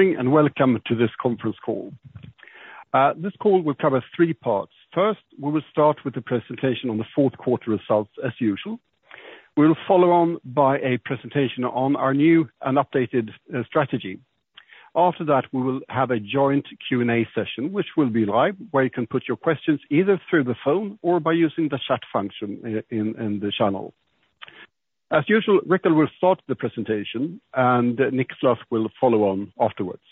Good morning and welcome to this conference call. This call will cover three parts. First, we will start with the presentation on the fourth quarter results as usual. We will follow on by a presentation on our new and updated strategy. After that, we will have a joint Q&A session, which will be live, where you can put your questions either through the phone or by using the chat function in the channel. As usual, Rickard will start the presentation and Niclas will follow on afterwards.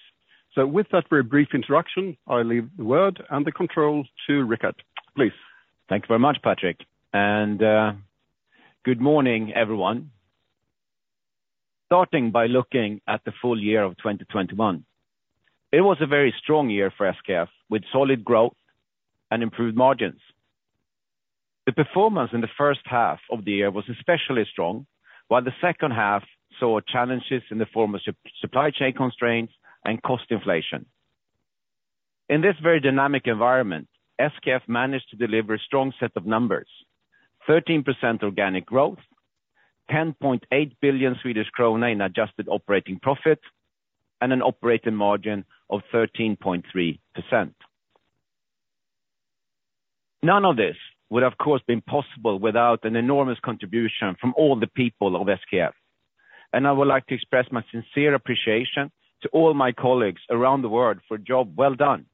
With that very brief introduction, I leave the word and the control to Rickard. Please. Thank you very much, Patrik. Good morning, everyone. Starting by looking at the full year of 2021. It was a very strong year for SKF, with solid growth and improved margins. The performance in the first half of the year was especially strong, while the second half saw challenges in the form of supply chain constraints and cost inflation. In this very dynamic environment, SKF managed to deliver a strong set of numbers, 13% organic growth, 10.8 billion Swedish krona in adjusted operating profit, and an operating margin of 13.3%. None of this would, of course, been possible without an enormous contribution from all the people of SKF. I would like to express my sincere appreciation to all my colleagues around the world for a job well done.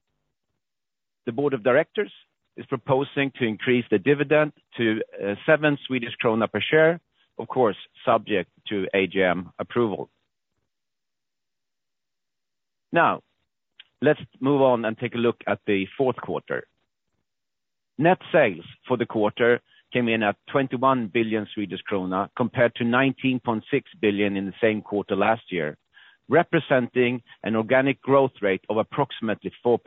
The board of directors is proposing to increase the dividend to seven Swedish krona per share, of course, subject to AGM approval. Now, let's move on and take a look at the fourth quarter. Net sales for the quarter came in at 21 billion Swedish krona compared to 19.6 billion in the same quarter last year, representing an organic growth rate of approximately 4%.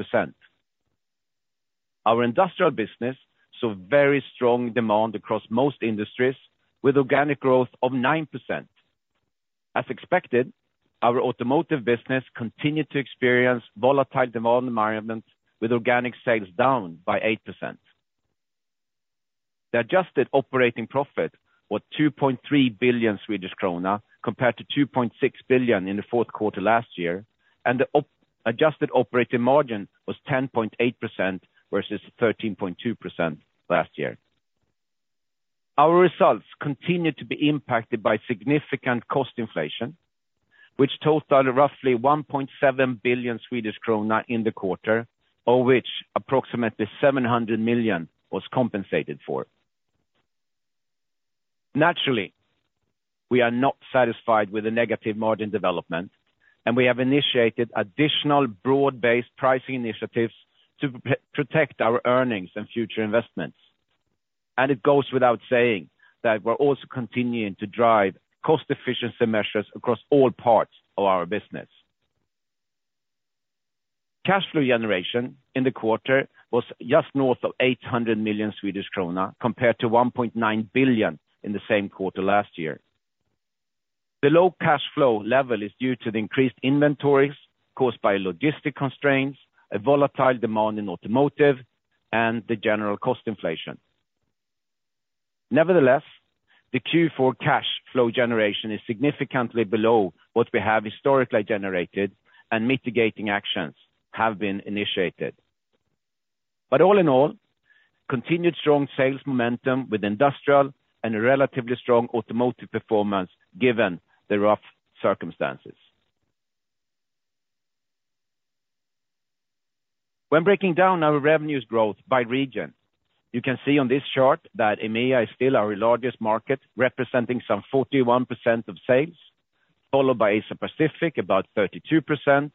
Our industrial business saw very strong demand across most industries with organic growth of 9%. As expected, our automotive business continued to experience volatile demand environments with organic sales down by 8%. The adjusted operating profit was 2.3 billion Swedish krona compared to 2.6 billion in the fourth quarter last year, and the adjusted operating margin was 10.8% versus 13.2% last year. Our results continued to be impacted by significant cost inflation, which totaled roughly 1.7 billion Swedish krona in the quarter, of which approximately 700 million was compensated for. Naturally, we are not satisfied with the negative margin development, and we have initiated additional broad-based pricing initiatives to protect our earnings and future investments. It goes without saying that we're also continuing to drive cost efficiency measures across all parts of our business. Cash flow generation in the quarter was just north of 800 million Swedish krona compared to 1.9 billion in the same quarter last year. The low cash flow level is due to the increased inventories caused by logistic constraints, a volatile demand in automotive, and the general cost inflation. Nevertheless, the Q4 cash flow generation is significantly below what we have historically generated, and mitigating actions have been initiated. All in all, continued strong sales momentum with industrial and a relatively strong automotive performance given the rough circumstances. When breaking down our revenue growth by region, you can see on this chart that EMEA is still our largest market, representing some 41% of sales, followed by Asia Pacific, about 32%,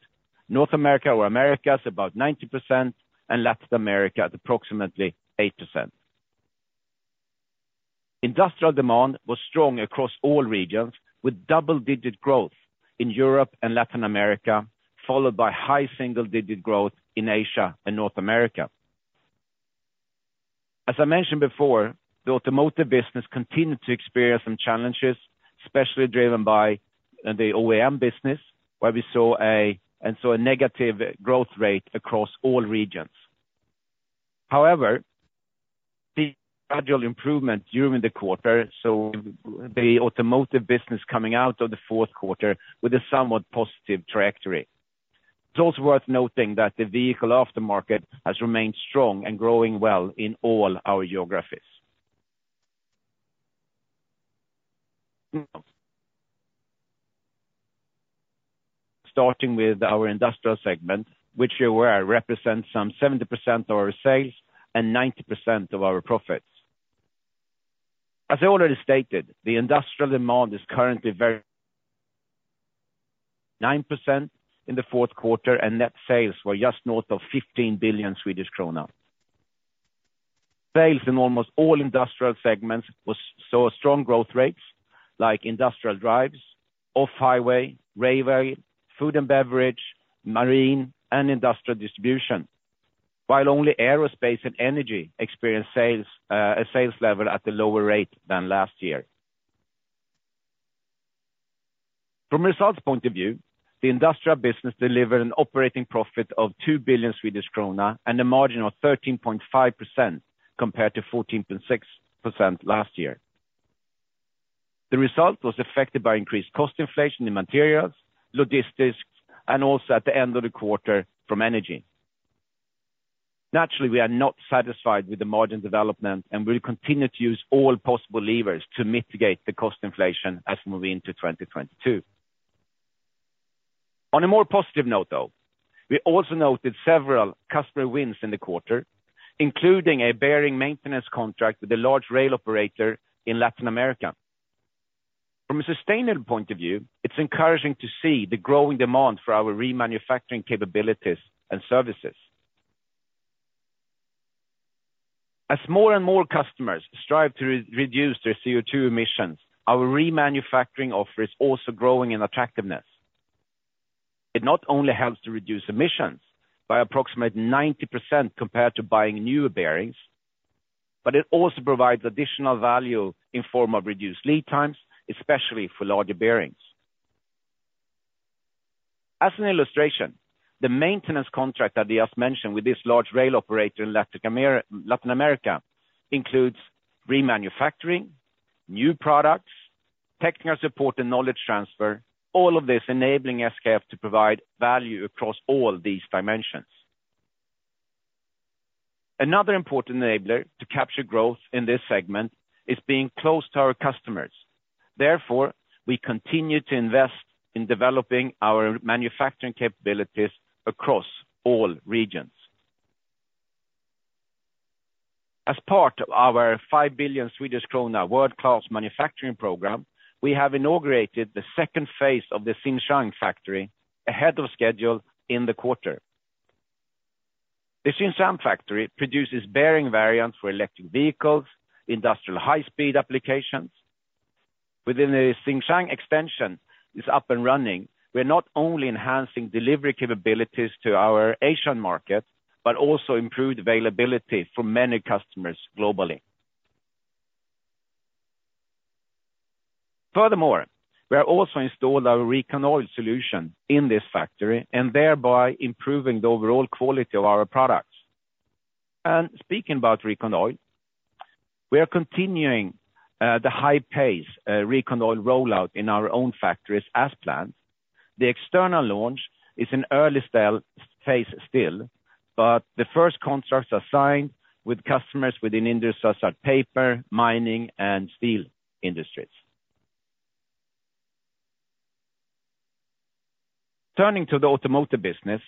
Americas, about 19%, and Latin America at approximately 8%. Industrial demand was strong across all regions with double-digit growth in Europe and Latin America, followed by high single-digit growth in Asia and North America. As I mentioned before, the automotive business continued to experience some challenges, especially driven by the OEM business, where we saw a negative growth rate across all regions. However, the gradual improvement during the quarter, so the automotive business coming out of the fourth quarter with a somewhat positive trajectory. It's also worth noting that the vehicle aftermarket has remained strong and growing well in all our geographies. Starting with our Industrial segment, which you're aware represents some 70% of our sales and 90% of our profits. As I already stated, the industrial demand is currently very 9% in the fourth quarter and net sales were just north of 15 billion Swedish krona. Sales in almost all industrial segments saw strong growth rates like industrial drives, off-highway, railway, food and beverage, marine, and industrial distribution, while only aerospace and energy experienced a sales level at a lower rate than last year. From a results point of view, the industrial business delivered an operating profit of 2 billion Swedish krona and a margin of 13.5% compared to 14.6% last year. The result was affected by increased cost inflation in materials, logistics, and also at the end of the quarter from energy. Naturally, we are not satisfied with the margin development, and we'll continue to use all possible levers to mitigate the cost inflation as we move into 2022. On a more positive note, though, we also noted several customer wins in the quarter, including a bearing maintenance contract with a large rail operator in Latin America. From a sustainable point of view, it's encouraging to see the growing demand for our remanufacturing capabilities and services. As more and more customers strive to re-reduce their CO2 emissions, our remanufacturing offer is also growing in attractiveness. It not only helps to reduce emissions by approximately 90% compared to buying new bearings, but it also provides additional value in form of reduced lead times, especially for larger bearings. As an illustration, the maintenance contract that I just mentioned with this large rail operator in Latin America includes remanufacturing, new products, technical support and knowledge transfer, all of this enabling SKF to provide value across all these dimensions. Another important enabler to capture growth in this segment is being close to our customers. Therefore, we continue to invest in developing our manufacturing capabilities across all regions. As part of our 5 billion Swedish krona World-Class Manufacturing Program, we have inaugurated the second phase of the Xinxiang factory ahead of schedule in the quarter. The Xinxiang factory produces bearing variants for electric vehicles, industrial high-speed applications. Within the Xinxiang extension is up and running, we're not only enhancing delivery capabilities to our Asian market, but also improved availability for many customers globally. Furthermore, we have also installed our RecondOil solution in this factory and thereby improving the overall quality of our products. Speaking about RecondOil, we are continuing the high pace RecondOil rollout in our own factories as planned. The external launch is in early stage phase still, but the first contracts are signed with customers within industries such as paper, mining, and steel industries. Turning to the Automotive business,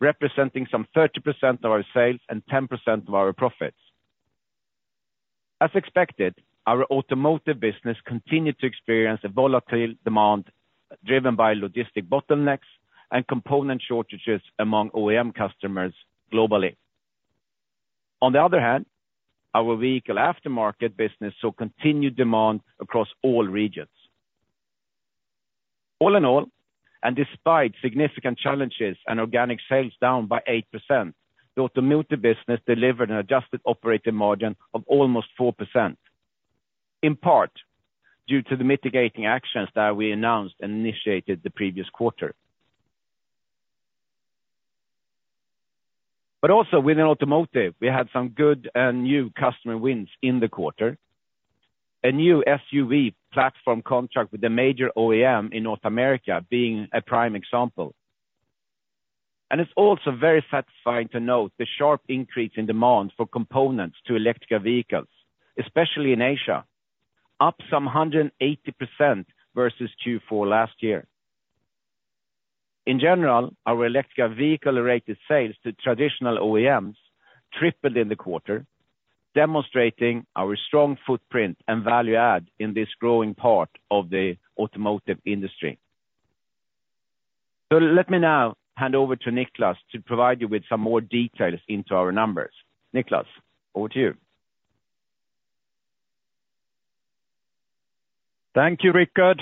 representing some 30% of our sales and 10% of our profits. As expected, our Automotive business continued to experience a volatile demand driven by logistic bottlenecks and component shortages among OEM customers globally. On the other hand, our vehicle aftermarket business saw continued demand across all regions. All in all, and despite significant challenges and organic sales down by 8%, the automotive business delivered an adjusted operating margin of almost 4%, in part due to the mitigating actions that we announced and initiated the previous quarter. Also within automotive, we had some good and new customer wins in the quarter, a new SUV platform contract with a major OEM in North America being a prime example. It's also very satisfying to note the sharp increase in demand for components to electric vehicles, especially in Asia, up some 180% versus Q4 last year. In general, our electric vehicle-related sales to traditional OEMs tripled in the quarter, demonstrating our strong footprint and value add in this growing part of the automotive industry. Let me now hand over to Niclas to provide you with some more details into our numbers. Niclas, over to you. Thank you, Rickard.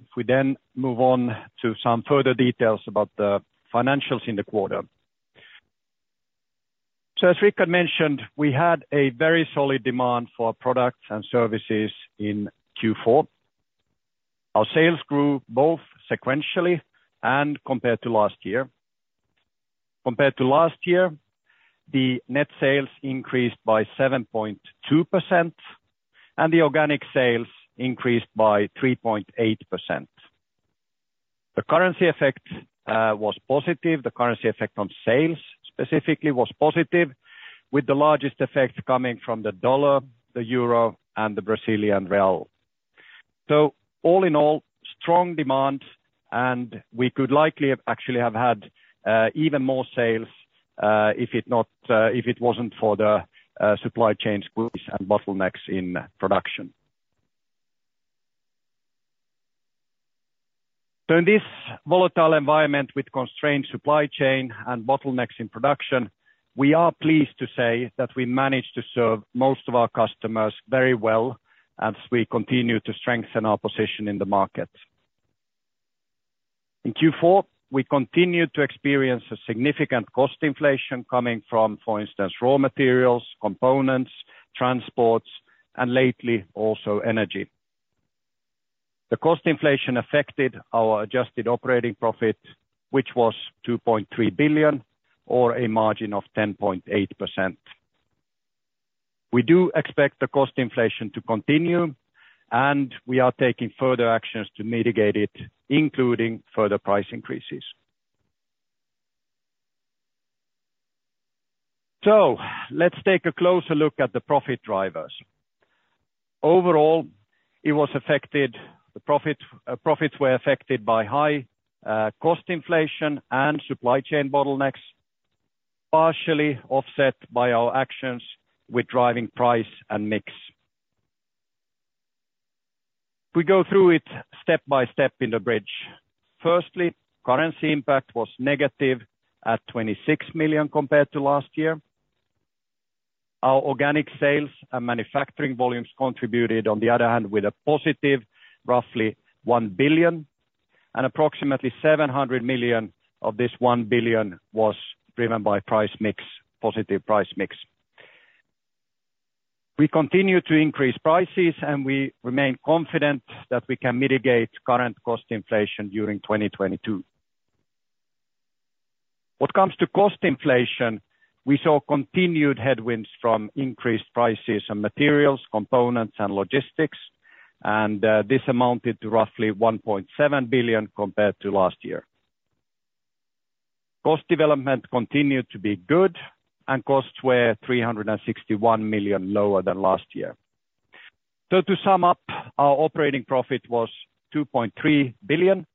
If we then move on to some further details about the financials in the quarter. As Rickard mentioned, we had a very solid demand for our products and services in Q4. Our sales grew both sequentially and compared to last year. Compared to last year, the net sales increased by 7.2%, and the organic sales increased by 3.8%. The currency effect was positive. The currency effect on sales specifically was positive, with the largest effect coming from the dollar, the euro, and the Brazilian real. All in all, strong demand, and we could likely actually have had even more sales if it wasn't for the supply chain squeeze and bottlenecks in production. In this volatile environment with constrained supply chain and bottlenecks in production, we are pleased to say that we managed to serve most of our customers very well as we continue to strengthen our position in the market. In Q4, we continued to experience a significant cost inflation coming from, for instance, raw materials, components, transports, and lately also energy. The cost inflation affected our adjusted operating profit, which was 2.3 billion or a margin of 10.8%. We do expect the cost inflation to continue, and we are taking further actions to mitigate it, including further price increases. Let's take a closer look at the profit drivers. Overall, the profits were affected by high cost inflation and supply chain bottlenecks, partially offset by our actions with driving price and mix. If we go through it step by step in the bridge. Firstly, currency impact was negative at 26 million compared to last year. Our organic sales and manufacturing volumes contributed on the other hand with a positive roughly 1 billion, and approximately 700 million of this 1 billion was driven by price mix, positive price mix. We continue to increase prices, and we remain confident that we can mitigate current cost inflation during 2022. What comes to cost inflation, we saw continued headwinds from increased prices and materials, components and logistics, and this amounted to roughly 1.7 billion compared to last year. Cost development continued to be good and costs were 361 million lower than last year. To sum up, our operating profit was 2.3 billion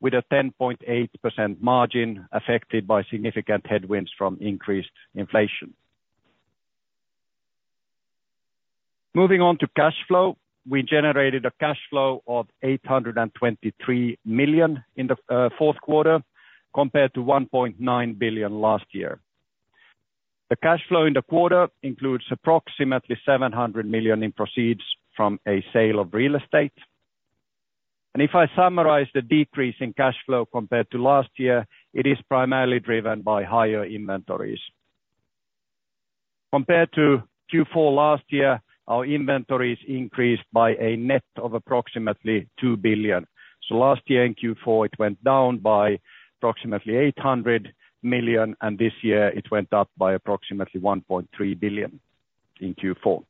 with a 10.8% margin affected by significant headwinds from increased inflation. Moving on to cash flow. We generated a cash flow of 823 million in the fourth quarter compared to 1.9 billion last year. The cash flow in the quarter includes approximately 700 million in proceeds from a sale of real estate. If I summarize the decrease in cash flow compared to last year, it is primarily driven by higher inventories. Compared to Q4 last year, our inventories increased by a net of approximately 2 billion. Last year in Q4, it went down by approximately 800 million, and this year it went up by approximately 1.3 billion in Q4.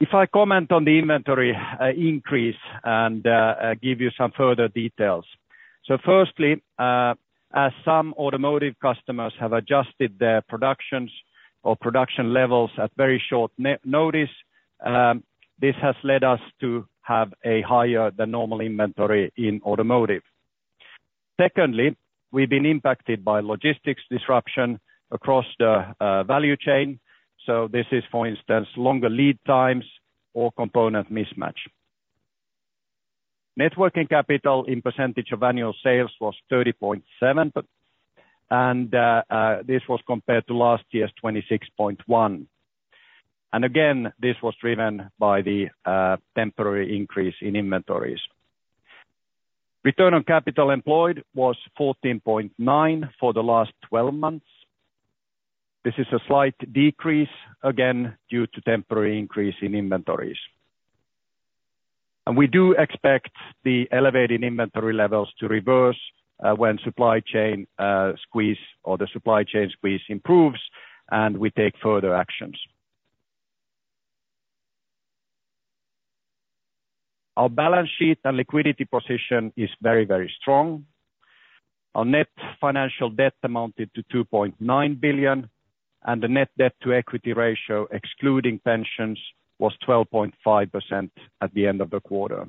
If I comment on the inventory increase and give you some further details. Firstly, as some automotive customers have adjusted their productions or production levels at very short notice, this has led us to have a higher than normal inventory in automotive. Secondly, we've been impacted by logistics disruption across the value chain. This is for instance, longer lead times or component mismatch. Net working capital in percentage of annual sales was 30.7%, but this was compared to last year's 26.1%. This was driven by the temporary increase in inventories. Return on capital employed was 14.9 for the last 12 months. This is a slight decrease again due to temporary increase in inventories. We do expect the elevated inventory levels to reverse when supply chain squeeze improves and we take further actions. Our balance sheet and liquidity position is very, very strong. Our net financial debt amounted to 2.9 billion, and the net debt to equity ratio excluding pensions was 12.5% at the end of the quarter.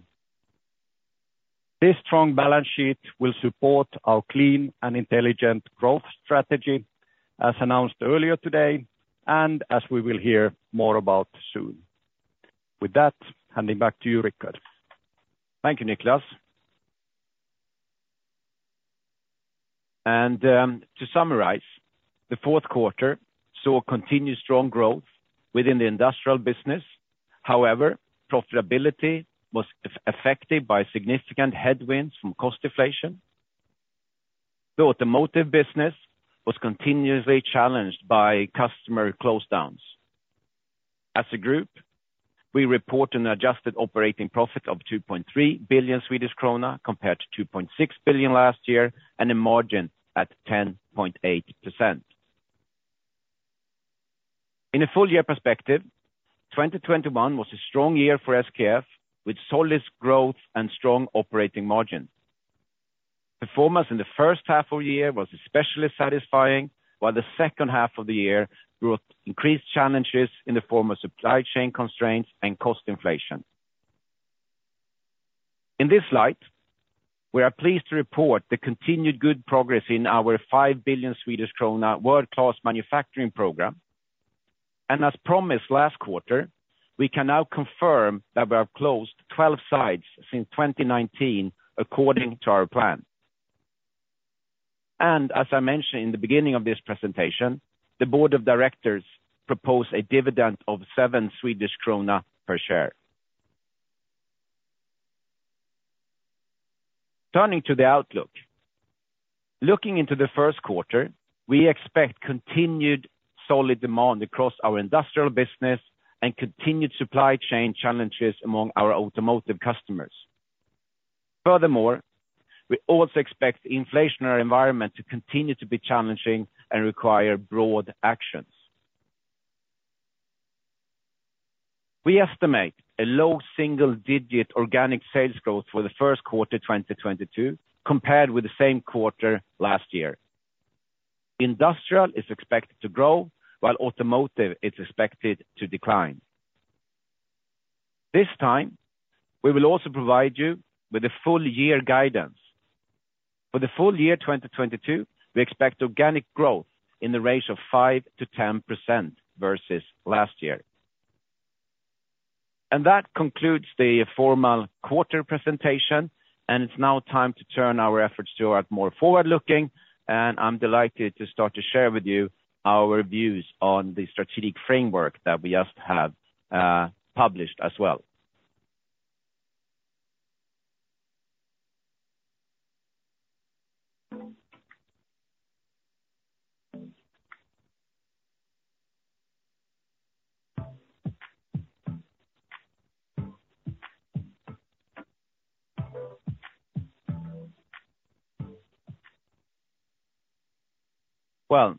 This strong balance sheet will support our clean and intelligent growth strategy as announced earlier today, and as we will hear more about soon. With that, handing back to you, Rickard. Thank you, Niclas. To summarize, the fourth quarter saw continued strong growth within the industrial business. However, profitability was affected by significant headwinds from cost inflation. The automotive business was continuously challenged by customer close downs. As a group, we report an adjusted operating profit of 2.3 billion Swedish krona compared to 2.6 billion last year, and a margin at 10.8%. In a full year perspective, 2021 was a strong year for SKF, with solid growth and strong operating margins. Performance in the first half of the year was especially satisfying, while the second half of the year brought increased challenges in the form of supply chain constraints and cost inflation. In this light, we are pleased to report the continued good progress in our 5 billion Swedish krona World-Class Manufacturing Program. As promised last quarter, we can now confirm that we have closed 12 sites since 2019 according to our plan. As I mentioned in the beginning of this presentation, the board of directors propose a dividend of 7 Swedish krona per share. Turning to the outlook. Looking into the first quarter, we expect continued solid demand across our industrial business and continued supply chain challenges among our automotive customers. Furthermore, we also expect the inflationary environment to continue to be challenging and require broad actions. We estimate a low single-digit organic sales growth for the first quarter, 2022 compared with the same quarter last year. Industrial is expected to grow while automotive is expected to decline. This time, we will also provide you with a full year guidance. For the full year 2022, we expect organic growth in the range of 5%-10% versus last year. That concludes the formal quarter presentation, and it's now time to turn our efforts toward more forward-looking, and I'm delighted to start to share with you our views on the strategic framework that we just have published as well. Well,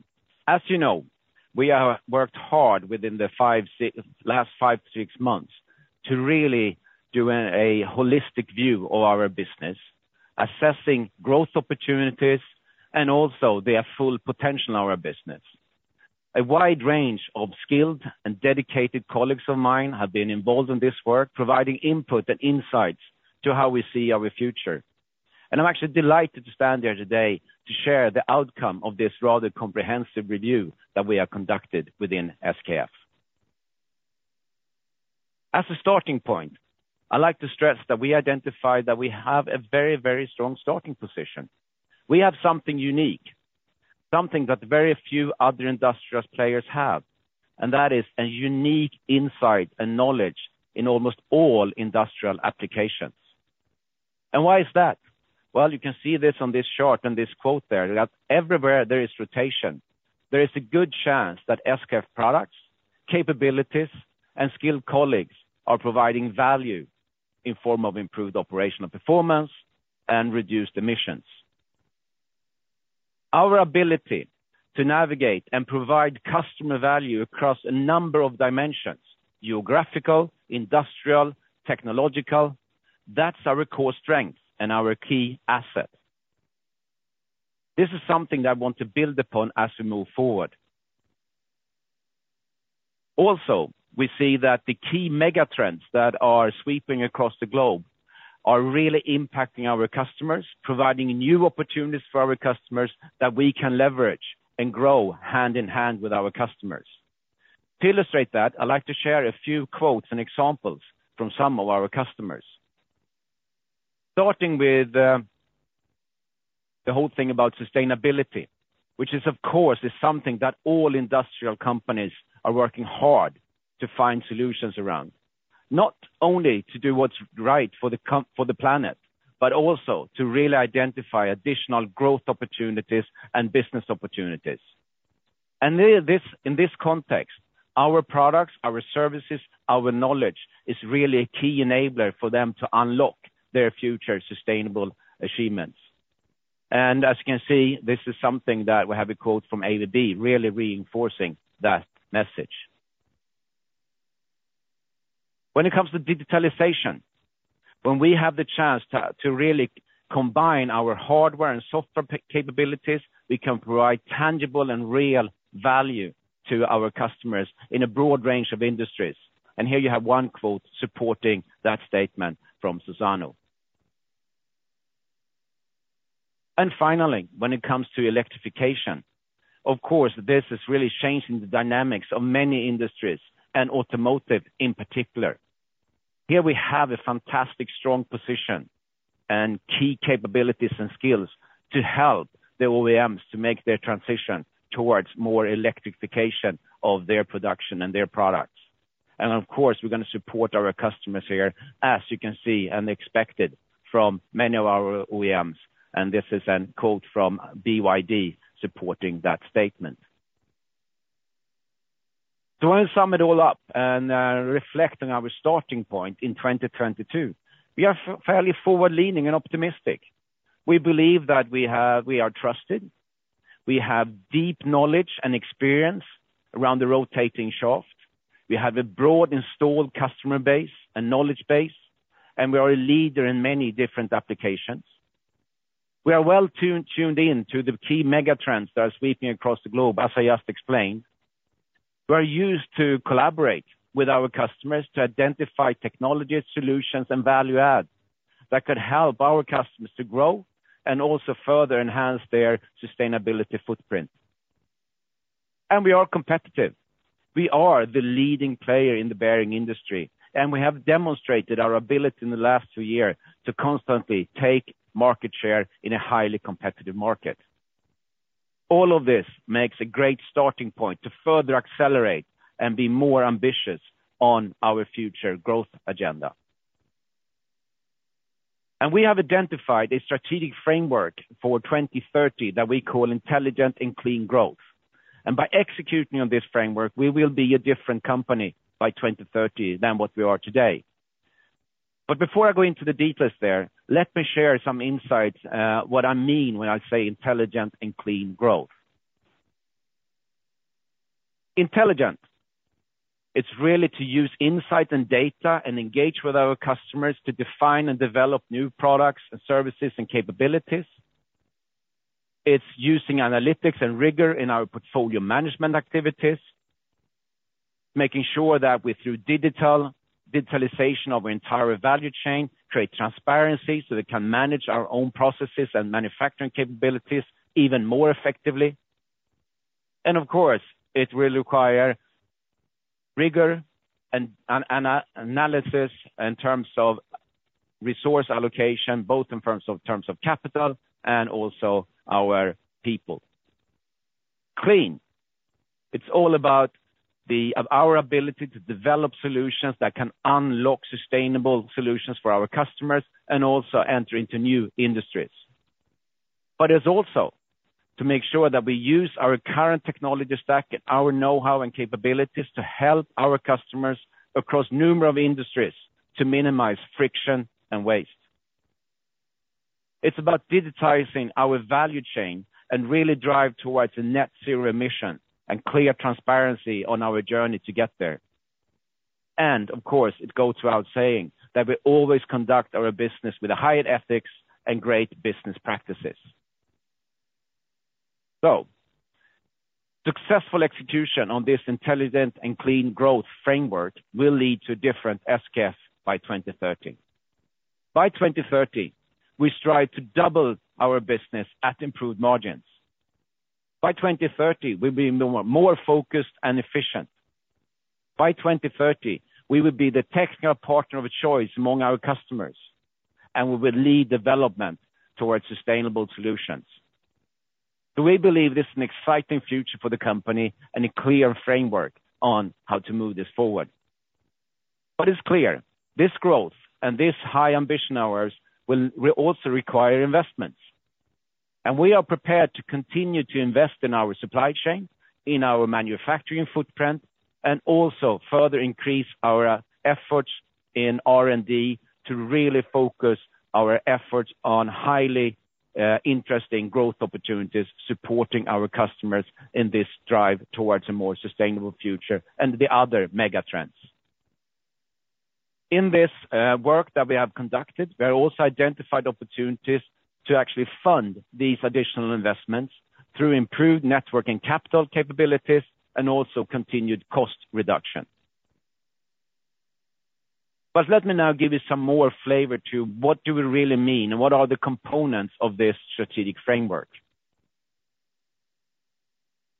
as you know, we have worked hard within the last five, six months to really do a holistic view of our business, assessing growth opportunities and also their full potential in our business. A wide range of skilled and dedicated colleagues of mine have been involved in this work, providing input and insights to how we see our future. I'm actually delighted to stand here today to share the outcome of this rather comprehensive review that we have conducted within SKF. As a starting point, I like to stress that we identified that we have a very, very strong starting position. We have something unique, something that very few other industrial players have, and that is a unique insight and knowledge in almost all industrial applications. Why is that? Well, you can see this on this chart and this quote there, that everywhere there is rotation, there is a good chance that SKF products, capabilities, and skilled colleagues are providing value in form of improved operational performance and reduced emissions. Our ability to navigate and provide customer value across a number of dimensions, geographical, industrial, technological, that's our core strength and our key asset. This is something that I want to build upon as we move forward. Also, we see that the key mega trends that are sweeping across the globe are really impacting our customers, providing new opportunities for our customers that we can leverage and grow hand in hand with our customers. To illustrate that, I like to share a few quotes and examples from some of our customers. Starting with the whole thing about sustainability, which is of course something that all industrial companies are working hard to find solutions around. Not only to do what's right for the planet, but also to really identify additional growth opportunities and business opportunities. In this context, our products, our services, our knowledge is really a key enabler for them to unlock their future sustainable achievements. As you can see, this is something that we have a quote from ABB really reinforcing that message. When it comes to digitalization, when we have the chance to really combine our hardware and software capabilities, we can provide tangible and real value to our customers in a broad range of industries. Here you have one quote supporting that statement from Suzano. Finally, when it comes to electrification, of course, this is really changing the dynamics of many industries and automotive in particular. Here we have a fantastic strong position and key capabilities and skills to help the OEMs to make their transition towards more electrification of their production and their products. Of course, we're gonna support our customers here, as you can see and expected from many of our OEMs, and this is a quote from BYD supporting that statement. I'm gonna sum it all up and reflect on our starting point in 2022. We are fairly forward-leaning and optimistic. We believe that we are trusted. We have deep knowledge and experience around the rotating shaft. We have a broad installed customer base and knowledge base, and we are a leader in many different applications. We are well-tuned in to the key mega trends that are sweeping across the globe, as I just explained. We are used to collaborate with our customers to identify technologies, solutions, and value add that could help our customers to grow and also further enhance their sustainability footprint. We are competitive. We are the leading player in the bearing industry, and we have demonstrated our ability in the last two years to constantly take market share in a highly competitive market. All of this makes a great starting point to further accelerate and be more ambitious on our future growth agenda. We have identified a strategic framework for 2030 that we call Intelligent and Clean Growth. By executing on this framework, we will be a different company by 2030 than what we are today. Before I go into the details there, let me share some insights, what I mean when I say Intelligent and Clean Growth. Intelligent. It's really to use insight and data and engage with our customers to define and develop new products and services and capabilities. It's using analytics and rigor in our portfolio management activities, making sure that we, through digitalization of our entire value chain, create transparency, so we can manage our own processes and manufacturing capabilities even more effectively. Of course, it will require rigor and analysis in terms of resource allocation, both in terms of capital and also our people. Clean. It's all about our ability to develop solutions that can unlock sustainable solutions for our customers and also enter into new industries. It's also to make sure that we use our current technology stack and our know-how and capabilities to help our customers across numerous industries to minimize friction and waste. It's about digitizing our value chain and really drive towards a net zero emission and clear transparency on our journey to get there. Of course, it goes without saying that we always conduct our business with the highest ethics and great business practices. Successful execution on this Intelligent and Clean Growth framework will lead to different SKF by 2030. By 2030, we strive to double our business at improved margins. By 2030, we'll be more focused and efficient. By 2030, we will be the technical partner of choice among our customers, and we will lead development towards sustainable solutions. Do we believe this is an exciting future for the company and a clear framework on how to move this forward? It's clear this growth and this high ambition of ours will also require investments. We are prepared to continue to invest in our supply chain, in our manufacturing footprint, and also further increase our efforts in R&D to really focus our efforts on highly interesting growth opportunities, supporting our customers in this drive towards a more sustainable future and the other mega trends. In this work that we have conducted, we have also identified opportunities to actually fund these additional investments through improved net working capital capabilities and also continued cost reduction. Let me now give you some more flavor to what do we really mean and what are the components of this strategic framework.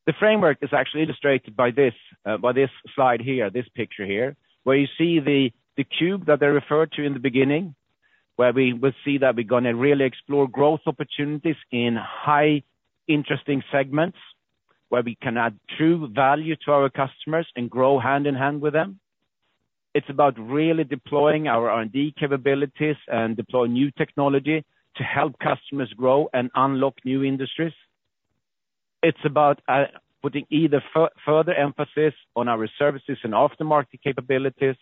The framework is actually illustrated by this, by this slide here, this picture here, where you see the cube that I referred to in the beginning, where we will see that we're gonna really explore growth opportunities in high interesting segments, where we can add true value to our customers and grow hand-in-hand with them. It's about really deploying our R&D capabilities and deploy new technology to help customers grow and unlock new industries. It's about putting further emphasis on our services and aftermarket capabilities,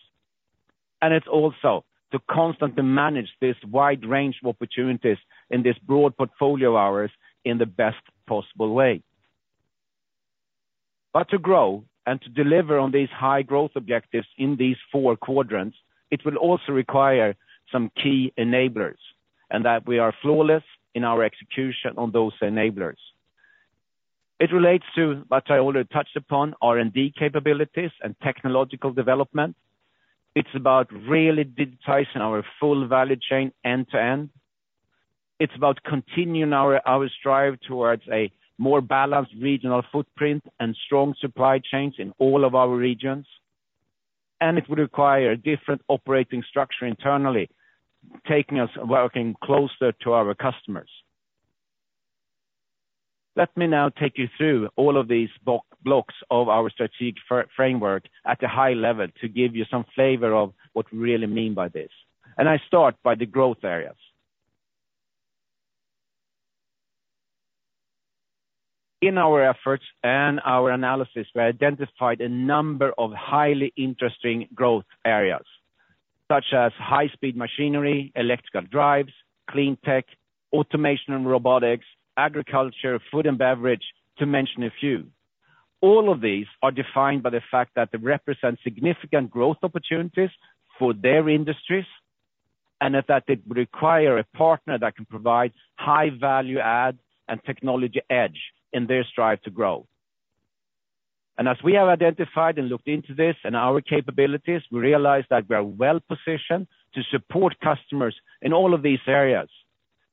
and it's also to constantly manage this wide range of opportunities in this broad portfolio of ours in the best possible way. To grow and to deliver on these high growth objectives in these four quadrants, it will also require some key enablers, and that we are flawless in our execution on those enablers. It relates to what I already touched upon, R&D capabilities and technological development. It's about really digitizing our full value chain end-to-end. It's about continuing our strive towards a more balanced regional footprint and strong supply chains in all of our regions. It would require a different operating structure internally, taking us working closer to our customers. Let me now take you through all of these blocks of our strategic framework at a high level to give you some flavor of what we really mean by this. I start by the growth areas. In our efforts and our analysis, we identified a number of highly interesting growth areas, such as high-speed machinery, electrical drives, clean tech, automation and robotics, agriculture, food and beverage, to mention a few. All of these are defined by the fact that they represent significant growth opportunities for their industries, and that they require a partner that can provide high-value add and technology edge in their strive to grow. As we have identified and looked into this and our capabilities, we realize that we are well-positioned to support customers in all of these areas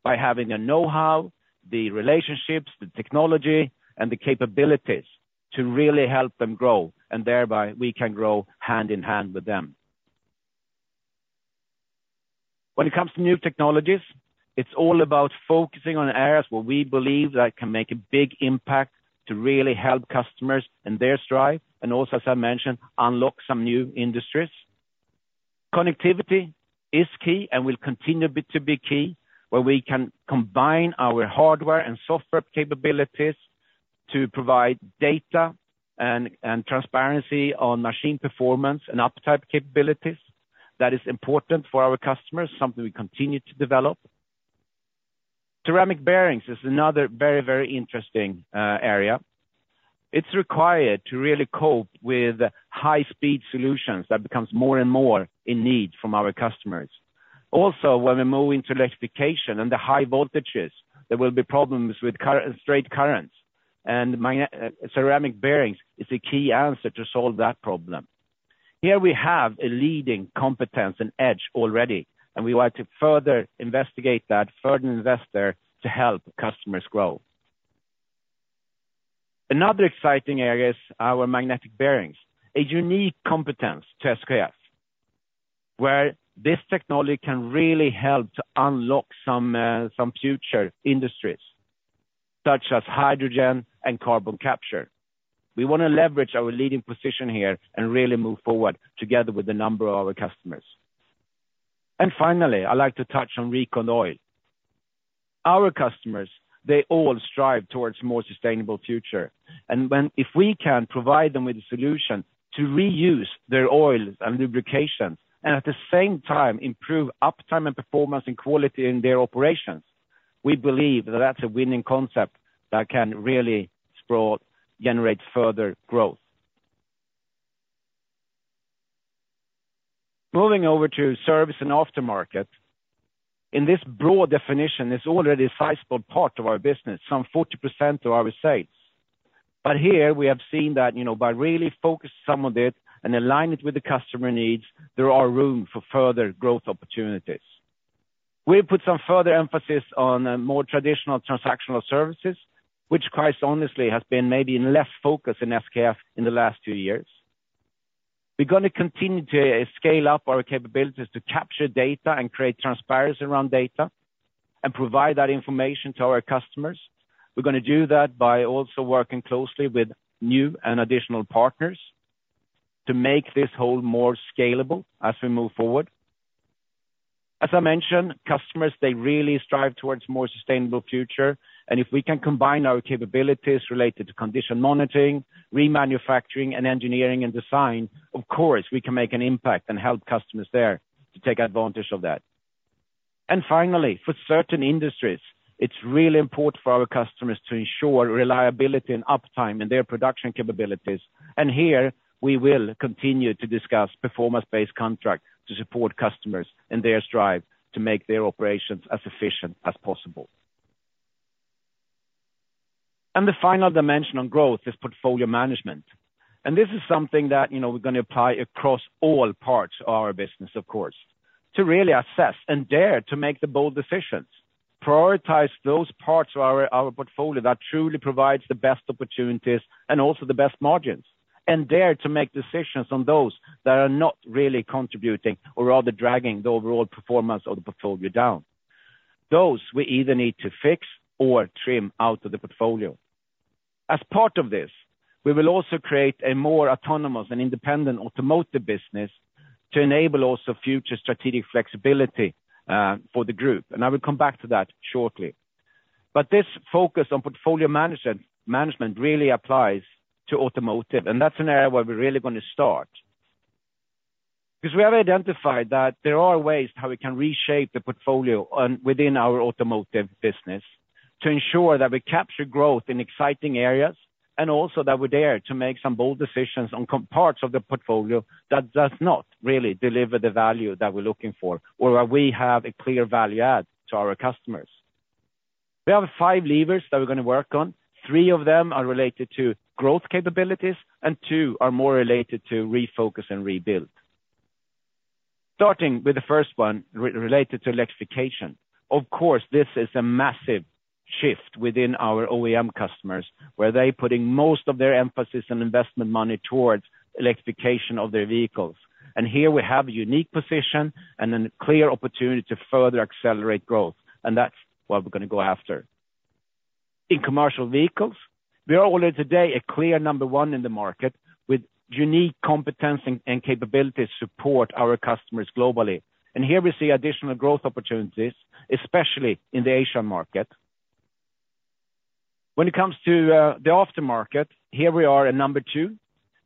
by having the know-how, the relationships, the technology, and the capabilities to really help them grow, and thereby we can grow hand-in-hand with them. When it comes to new technologies, it's all about focusing on areas where we believe that can make a big impact to really help customers in their drive, and also, as I mentioned, unlock some new industries. Connectivity is key and will continue to be key where we can combine our hardware and software capabilities to provide data and transparency on machine performance and uptime capabilities. That is important for our customers, something we continue to develop. Ceramic bearings is another very, very interesting area. It's required to really cope with high speed solutions that becomes more and more in need from our customers. Also, when we move into electrification and the high voltages, there will be problems with straight currents. Ceramic bearings is a key answer to solve that problem. Here we have a leading competence and edge already, and we want to further investigate that, further invest there to help customers grow. Another exciting area is our magnetic bearings, a unique competence to SKF, where this technology can really help to unlock some some future industries, such as hydrogen and carbon capture. We wanna leverage our leading position here and really move forward together with a number of our customers. Finally, I'd like to touch on RecondOil. Our customers, they all strive towards more sustainable future. If we can provide them with a solution to reuse their oils and lubrication, and at the same time improve uptime and performance and quality in their operations, we believe that that's a winning concept that can really scale, generate further growth. Moving over to service and aftermarket. In this broad definition, it's already a sizable part of our business, some 40% of our sales. Here we have seen that, you know, by really focusing some of it and align it with the customer needs, there are room for further growth opportunities. We'll put some further emphasis on more traditional transactional services, which quite honestly has been maybe in less focus in SKF in the last two years. We're gonna continue to scale up our capabilities to capture data and create transparency around data and provide that information to our customers. We're gonna do that by also working closely with new and additional partners to make this whole more scalable as we move forward. As I mentioned, customers, they really strive toward a more sustainable future, and if we can combine our capabilities related to condition monitoring, remanufacturing, and engineering and design, of course, we can make an impact and help customers there to take advantage of that. Finally, for certain industries, it's really important for our customers to ensure reliability and uptime in their production capabilities. Here we will continue to discuss performance-based contracts to support customers in their strive to make their operations as efficient as possible. The final dimension on growth is portfolio management. This is something that, you know, we're gonna apply across all parts of our business, of course, to really assess and dare to make the bold decisions, prioritize those parts of our portfolio that truly provides the best opportunities and also the best margins, and dare to make decisions on those that are not really contributing or are they dragging the overall performance of the portfolio down. Those we either need to fix or trim out of the portfolio. As part of this, we will also create a more autonomous and independent automotive business to enable also future strategic flexibility for the group, and I will come back to that shortly. This focus on portfolio management really applies to automotive, and that's an area where we're really gonna start. Because we have identified that there are ways how we can reshape the portfolio within our automotive business to ensure that we capture growth in exciting areas and also that we dare to make some bold decisions on parts of the portfolio that does not really deliver the value that we're looking for or where we have a clear value add to our customers. We have five levers that we're gonna work on. Three of them are related to growth capabilities, and two are more related to refocus and rebuild. Starting with the first one related to electrification. Of course, this is a massive shift within our OEM customers, where they're putting most of their emphasis and investment money towards electrification of their vehicles. Here we have a unique position and a clear opportunity to further accelerate growth, and that's what we're gonna go after. In commercial vehicles, we are already today a clear number one in the market with unique competence and capabilities to support our customers globally. Here we see additional growth opportunities, especially in the Asian market. When it comes to the aftermarket, here we are at number two.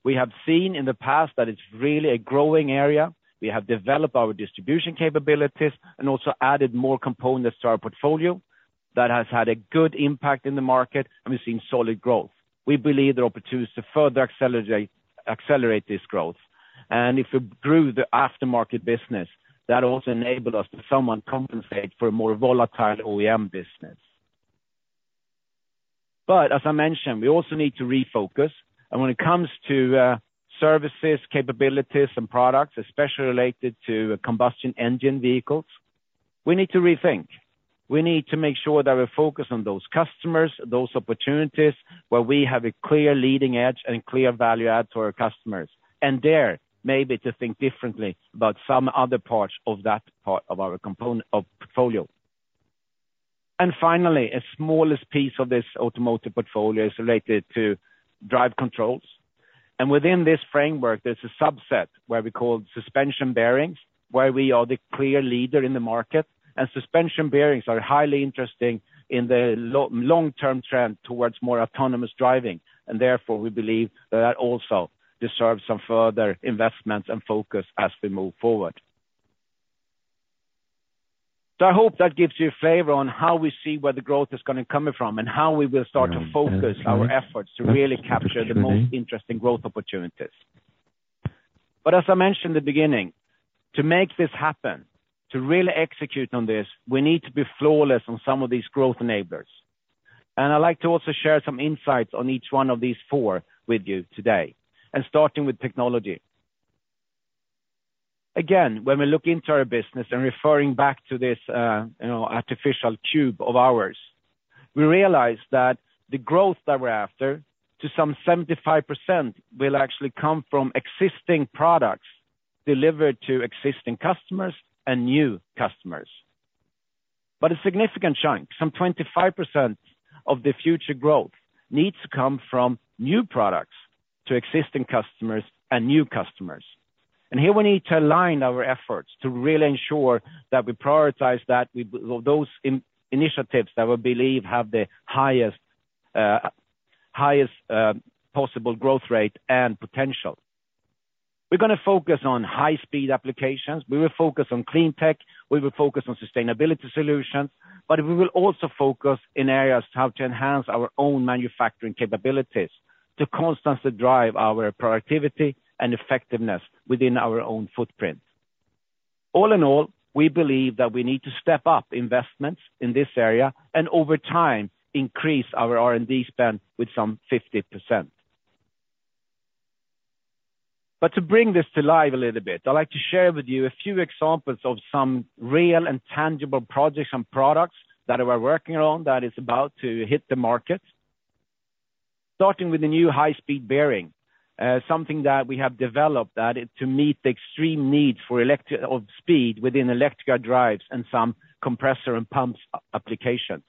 We have seen in the past that it's really a growing area. We have developed our distribution capabilities and also added more components to our portfolio that has had a good impact in the market, and we've seen solid growth. We believe there are opportunities to further accelerate this growth. If we grew the aftermarket business, that also enable us to somewhat compensate for a more volatile OEM business. As I mentioned, we also need to refocus, and when it comes to services, capabilities, and products, especially related to combustion engine vehicles, we need to rethink. We need to make sure that we're focused on those customers, those opportunities where we have a clear leading edge and clear value add to our customers, and there maybe to think differently about some other parts of that part of our component of portfolio. Finally, the smallest piece of this automotive portfolio is related to Drive controls. Within this framework, there's a subset where we call suspension bearings, where we are the clear leader in the market. Suspension bearings are highly interesting in the long-term trend towards more autonomous driving. Therefore, we believe that also deserves some further investments and focus as we move forward. I hope that gives you a flavor on how we see where the growth is gonna be coming from, and how we will start to focus our efforts to really capture the most interesting growth opportunities. As I mentioned in the beginning, to make this happen, to really execute on this, we need to be flawless on some of these growth enablers. I like to also share some insights on each one of these four with you today, and starting with technology. Again, when we look into our business and referring back to this, artificial tube of ours, we realize that the growth that we're after, to some 75% will actually come from existing products delivered to existing customers and new customers. A significant chunk, some 25% of the future growth needs to come from new products to existing customers and new customers. Here we need to align our efforts to really ensure that we prioritize that, we, those initiatives that we believe have the highest possible growth rate and potential. We're gonna focus on high speed applications. We will focus on clean tech. We will focus on sustainability solutions, but we will also focus in areas how to enhance our own manufacturing capabilities to constantly drive our productivity and effectiveness within our own footprint. All in all, we believe that we need to step up investments in this area and over time, increase our R&D spend with some 50%. To bring this to life a little bit, I'd like to share with you a few examples of some real and tangible projects and products that we're working on that is about to hit the market. Starting with the new high speed bearing, something that we have developed to meet the extreme needs for electricity of speed within electrical drives and some compressors and pumps applications.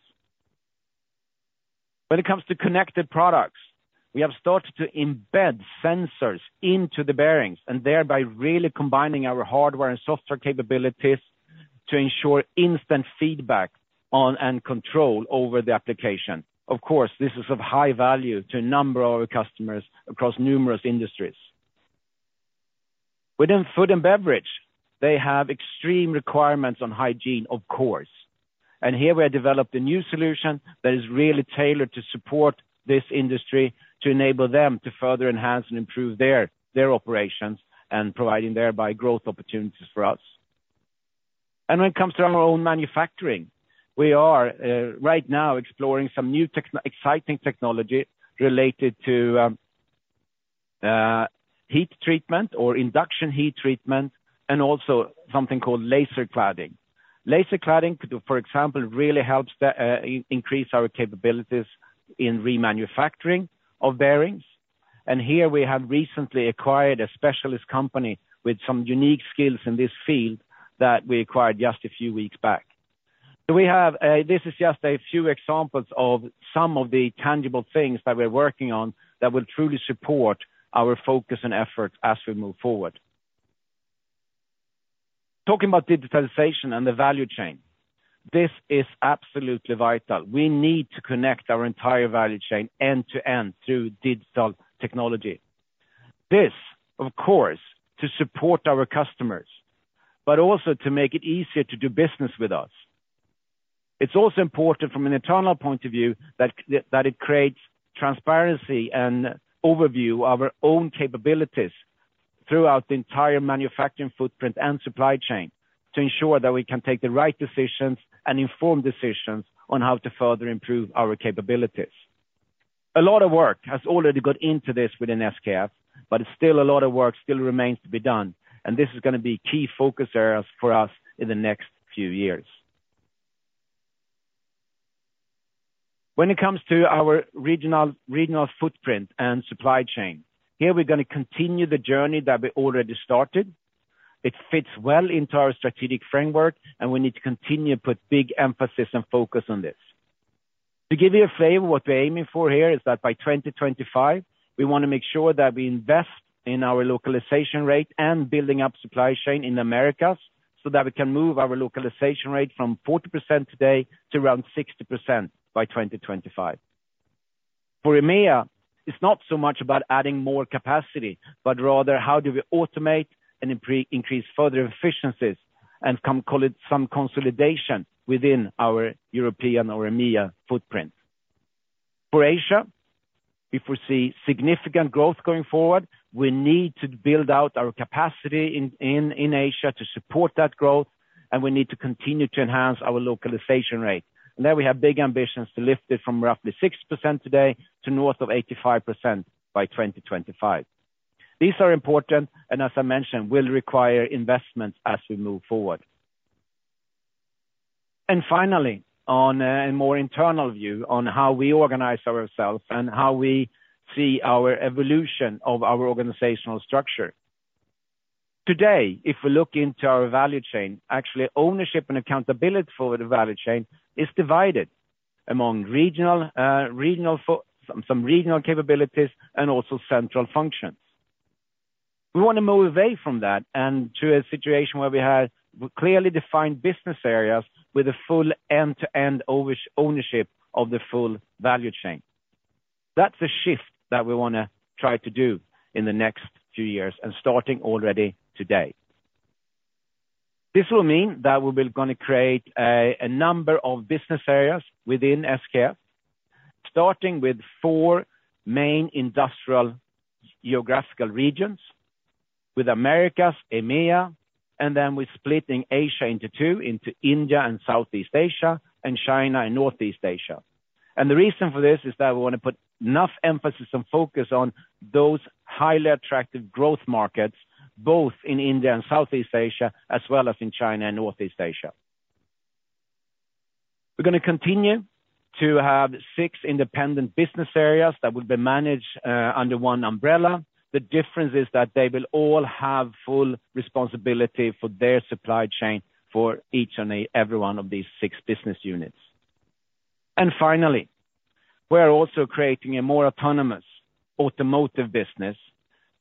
When it comes to connected products, we have started to embed sensors into the bearings, and thereby really combining our hardware and software capabilities to ensure instant feedback on and control over the application. Of course, this is of high value to a number of our customers across numerous industries. Within food and beverage, they have extreme requirements on hygiene, of course. Here we have developed a new solution that is really tailored to support this industry to enable them to further enhance and improve their operations and providing thereby growth opportunities for us. When it comes to our own manufacturing, we are right now exploring some new exciting technology related to heat treatment or induction heat treatment, and also something called laser cladding. Laser cladding, for example, really helps to increase our capabilities in remanufacturing of bearings. Here we have recently acquired a specialist company with some unique skills in this field that we acquired just a few weeks back. This is just a few examples of some of the tangible things that we're working on that will truly support our focus and efforts as we move forward. Talking about digitalization and the value chain, this is absolutely vital. We need to connect our entire value chain end to end through digital technology. This, of course, to support our customers, but also to make it easier to do business with us. It's also important from an internal point of view that it creates transparency and overview of our own capabilities throughout the entire manufacturing footprint and supply chain to ensure that we can take the right decisions and informed decisions on how to further improve our capabilities. A lot of work has already got into this within SKF, but still a lot of work still remains to be done, and this is gonna be key focus areas for us in the next few years. When it comes to our regional footprint and supply chain, here we're gonna continue the journey that we already started. It fits well into our strategic framework, and we need to continue to put big emphasis and focus on this. To give you a flavor of what we're aiming for here is that by 2025, we wanna make sure that we invest in our localization rate and building up supply chain in the Americas, so that we can move our localization rate from 40% today to around 60% by 2025. For EMEA, it's not so much about adding more capacity, but rather how do we automate and increase further efficiencies and, i.e., call it some consolidation within our European or EMEA footprint. For Asia, if we see significant growth going forward, we need to build out our capacity in Asia to support that growth, and we need to continue to enhance our localization rate. There we have big ambitions to lift it from roughly 6% today to north of 85% by 2025. These are important, and as I mentioned, will require investments as we move forward. Finally, on a more internal view on how we organize ourselves and how we see our evolution of our organizational structure. Today, if we look into our value chain, actually ownership and accountability for the value chain is divided among regional, some regional capabilities and also central functions. We want to move away from that and to a situation where we have clearly defined business areas with a full end-to-end ownership of the full value chain. That's a shift that we wanna try to do in the next two years and starting already today. This will mean that we will gonna create a number of business areas within SKF, starting with four main industrial geographical regions with Americas, EMEA, and then we're splitting Asia into two, India and Southeast Asia, and China and Northeast Asia. The reason for this is that we want to put enough emphasis and focus on those highly attractive growth markets, both in India and Southeast Asia, as well as in China and Northeast Asia. We're gonna continue to have six independent business areas that will be managed under one umbrella. The difference is that they will all have full responsibility for their supply chain for each and every one of these six business units. Finally, we're also creating a more autonomous automotive business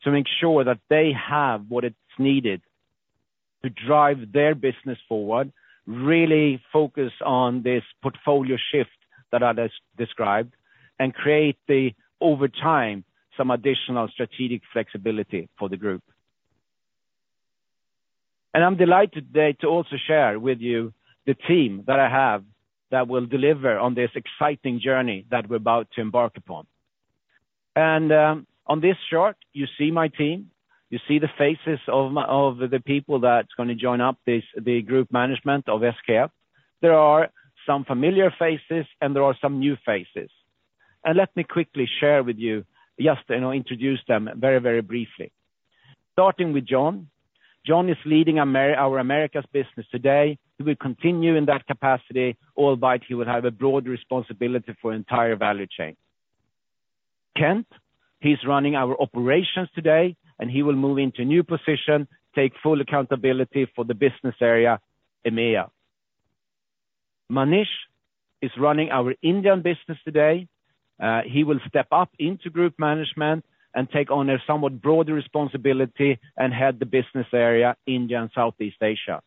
to ensure that they have what it's needed to drive their business forward, really focus on this portfolio shift that I just described, and create the, over time, some additional strategic flexibility for the group. I'm delighted today to also share with you the team that I have that will deliver on this exciting journey that we're about to embark upon. On this chart, you see my team. You see the faces of the people that's gonna join the group management of SKF. There are some familiar faces, and there are some new faces. Let me quickly share with you, just, you know, introduce them very, very briefly. Starting with John. John is leading our Americas business today. He will continue in that capacity, albeit he will have a broad responsibility for entire value chain. Kent, he's running our operations today, and he will move into a new position, take full accountability for the business area, EMEA. Manish is running our Indian business today. He will step up into group management and take on a somewhat broader responsibility and head the business area, India and Southeast Asia.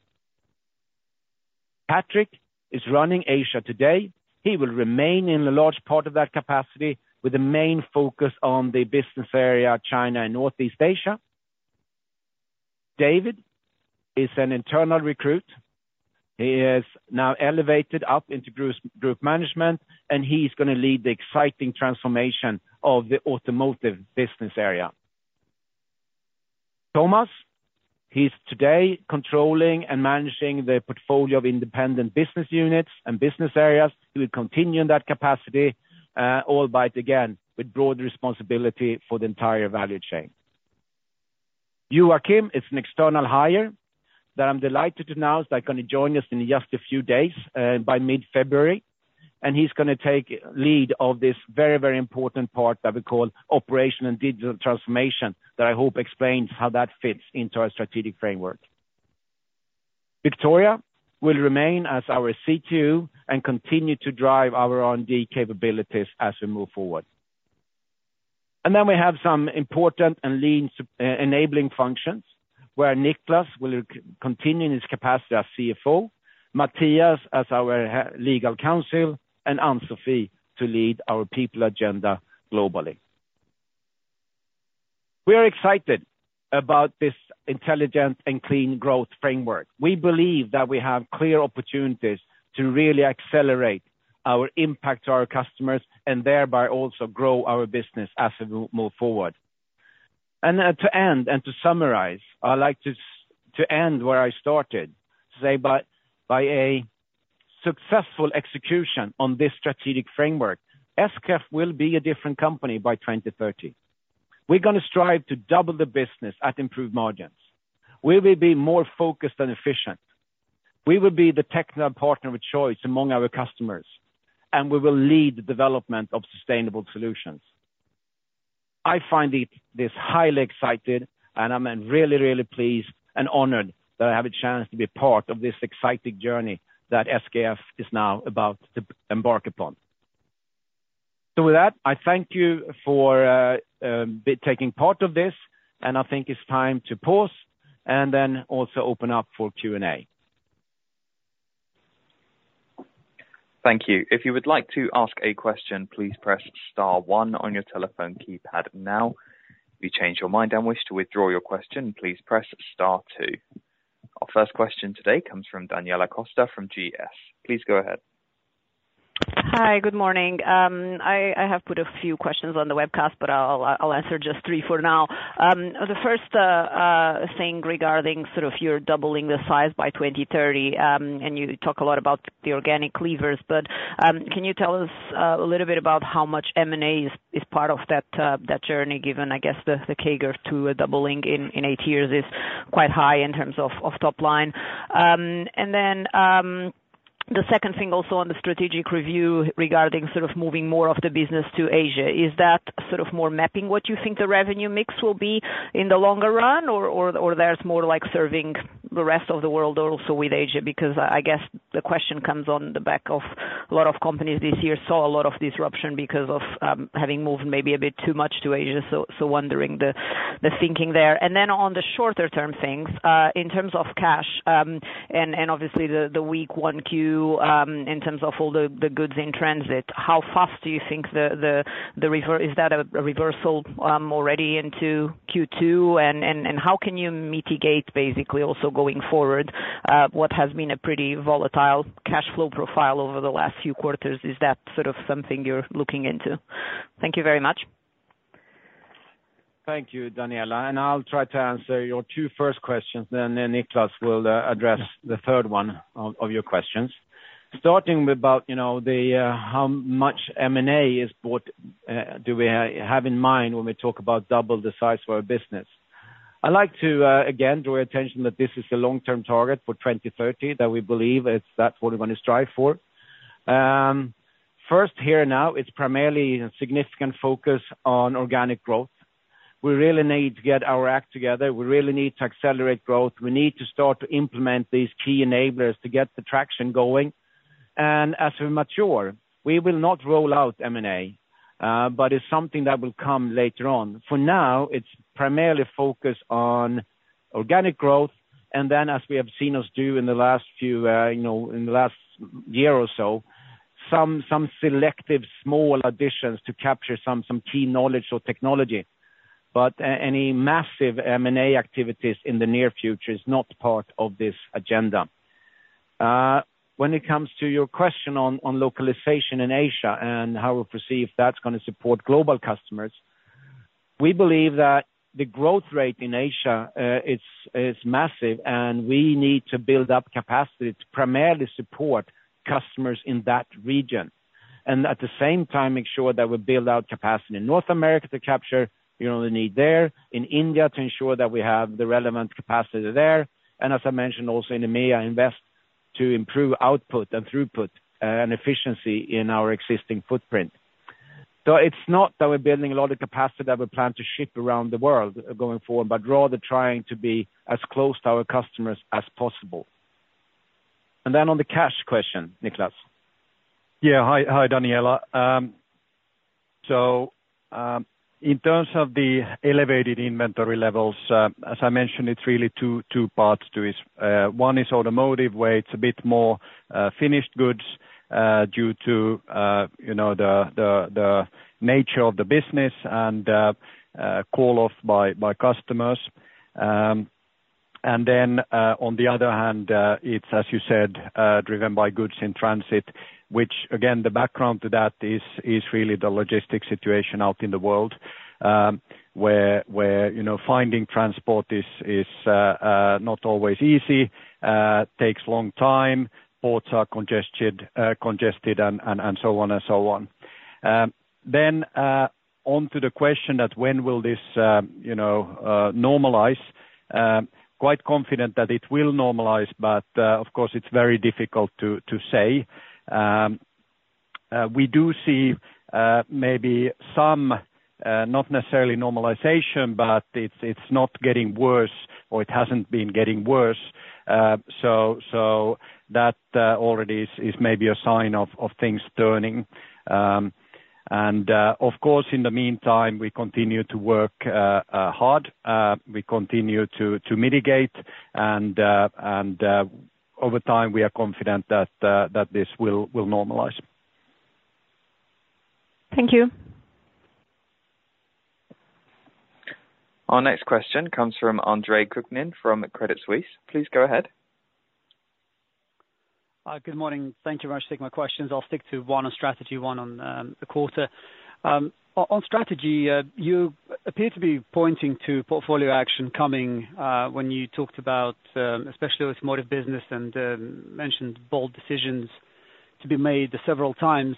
Patrik is running Asia today. He will remain in a large part of that capacity with a main focus on the business area, China and Northeast Asia. David is an internal recruit. He is now elevated up into group management, and he's gonna lead the exciting transformation of the automotive business area. Thomas, he's today controlling and managing the portfolio of independent business units and business areas. He will continue in that capacity, albeit again, with broad responsibility for the entire value chain. Joakim is an external hire that I'm delighted to announce that gonna join us in just a few days, by mid-February. He's gonna take lead of this very, very important part that we call operation and digital transformation that I hope explains how that fits into our strategic framework. Victoria will remain as our CTO and continue to drive our R&D capabilities as we move forward. We have some important and lean enabling functions, where Niclas will continue in his capacity as CFO, Mathias as our legal counsel, and Ann-Sofie to lead our people agenda globally. We are excited about this intelligent and clean growth framework. We believe that we have clear opportunities to really accelerate our impact to our customers and thereby also grow our business as we move forward. To end and to summarize, I like to end where I started, to say by a successful execution on this strategic framework, SKF will be a different company by 2030. We're gonna strive to double the business at improved margins. We will be more focused and efficient. We will be the technical partner of choice among our customers, and we will lead the development of sustainable solutions. I find this highly exciting, and I'm really, really pleased and honored that I have a chance to be part of this exciting journey that SKF is now about to embark upon. With that, I thank you for taking part in this, and I think it's time to pause and then also open up for Q&A. Thank you. If you would like to ask a question, please press star one on your telephone keypad now. If you change your mind and wish to withdraw your question, please press star two. Our first question today comes from Daniela Costa from GS. Please go ahead. Hi. Good morning. I have put a few questions on the webcast, but I'll answer just three for now. The first thing regarding sort of your doubling the size by 2030, and you talk a lot about the organic levers, but can you tell us a little bit about how much M&A is part of that journey, given, I guess, the CAGR to a doubling in eight years is quite high in terms of top line? The second thing also on the strategic review regarding sort of moving more of the business to Asia. Is that sort of more mapping what you think the revenue mix will be in the longer run? Or there's more like serving the rest of the world also with Asia? Because I guess the question comes on the back of a lot of companies this year saw a lot of disruption because of having moved maybe a bit too much to Asia, so wondering the thinking there. Then on the shorter-term things, in terms of cash, and obviously the weak Q1, in terms of all the goods in transit, how fast do you think the reversal? Is that a reversal already into Q2? How can you mitigate basically also going forward what has been a pretty volatile cash flow profile over the last few quarters? Is that sort of something you're looking into? Thank you very much. Thank you, Daniela. I'll try to answer your two first questions then, Niclas will address the third one of your questions. Starting about, you know, the how much M&A is bought do we have in mind when we talk about double the size for our business. I like to again draw your attention that this is a long-term target for 2030, that we believe it's what we're gonna strive for. First here now, it's primarily a significant focus on organic growth. We really need to get our act together. We really need to accelerate growth. We need to start to implement these key enablers to get the traction going. As we mature, we will not roll out M&A, but it's something that will come later on. For now, it's primarily focused on organic growth, and then as we have seen us do in the last few, in the last year or so, some selective small additions to capture some key knowledge or technology. Any massive M&A activities in the near future is not part of this agenda. When it comes to your question on localization in Asia and how we perceive that's gonna support global customers, we believe that the growth rate in Asia is massive, and we need to build up capacity to primarily support customers in that region. At the same time, make sure that we build out capacity in North America to capture, you know, the need there, in India to ensure that we have the relevant capacity there, and as I mentioned, also in EMEA invest to improve output and throughput, and efficiency in our existing footprint. It's not that we're building a lot of capacity that we plan to ship around the world going forward, but rather trying to be as close to our customers as possible. On the cash question, Niclas. Hi, Daniela. In terms of the elevated inventory levels, as I mentioned, it's really two parts to this. One is automotive, where it's a bit more finished goods due to you know the nature of the business and call off by customers. On the other hand, it's as you said driven by goods in transit, which again the background to that is really the logistics situation out in the world, where you know finding transport is not always easy, takes long time, ports are congested and so on and so on. Onto the question of when will this, you know, normalize. Quite confident that it will normalize but of course it's very difficult to say. We do see maybe some not necessarily normalization, but it's not getting worse or it hasn't been getting worse, that already is maybe a sign of things turning. Of course, in the meantime, we continue to work hard. We continue to mitigate and over time, we are confident that this will normalize. Thank you. Our next question comes from Andre Kukhnin from Credit Suisse. Please go ahead. Good morning. Thank you very much for taking my questions. I'll stick to one on strategy, one on the quarter. On strategy, you appear to be pointing to portfolio action coming when you talked about especially with automotive business and mentioned bold decisions to be made several times.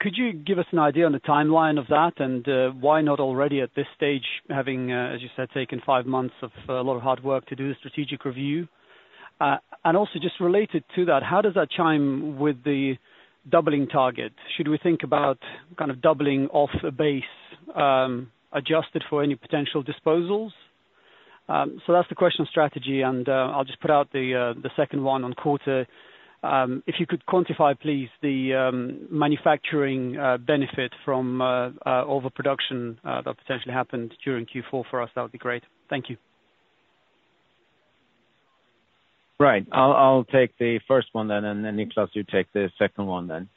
Could you give us an idea on the timeline of that, and why not already at this stage having, as you said, taken five months of a lot of hard work to do the strategic review? And also just related to that, how does that chime with the doubling target? Should we think about kind of doubling off a base adjusted for any potential disposals? So that's the question on strategy, and I'll just put out the second one on quarter. If you could quantify, please, the manufacturing benefit from overproduction that potentially happened during Q4 for us, that would be great. Thank you. Right. I'll take the first one then, and then Niclas, you take the second one then.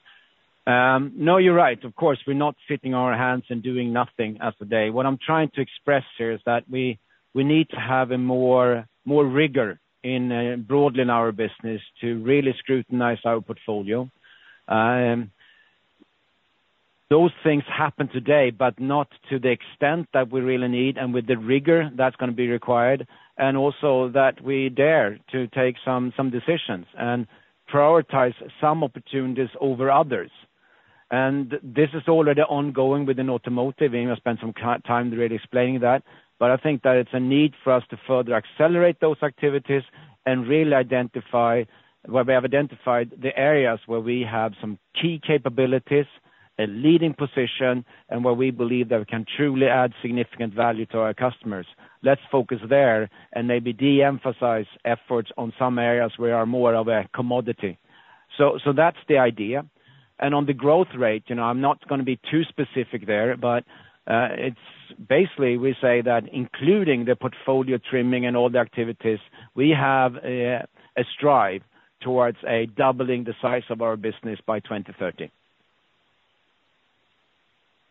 No, you're right. Of course, we're not sitting on our hands and doing nothing today. What I'm trying to express here is that we need to have more rigor broadly in our business to really scrutinize our portfolio. Those things happen today, but not to the extent that we really need and with the rigor that's gonna be required, and also that we dare to take some decisions and prioritize some opportunities over others. And this is already ongoing within Automotive, and I spent some time really explaining that. I think that it's a need for us to further accelerate those activities and really identify the areas where we have some key capabilities, a leading position, and where we believe that we can truly add significant value to our customers. Let's focus there and maybe de-emphasize efforts on some areas where we are more of a commodity. So that's the idea. On the growth rate, you know, I'm not gonna be too specific there, but it's basically we say that including the portfolio trimming and all the activities, we strive towards doubling the size of our business by 2030.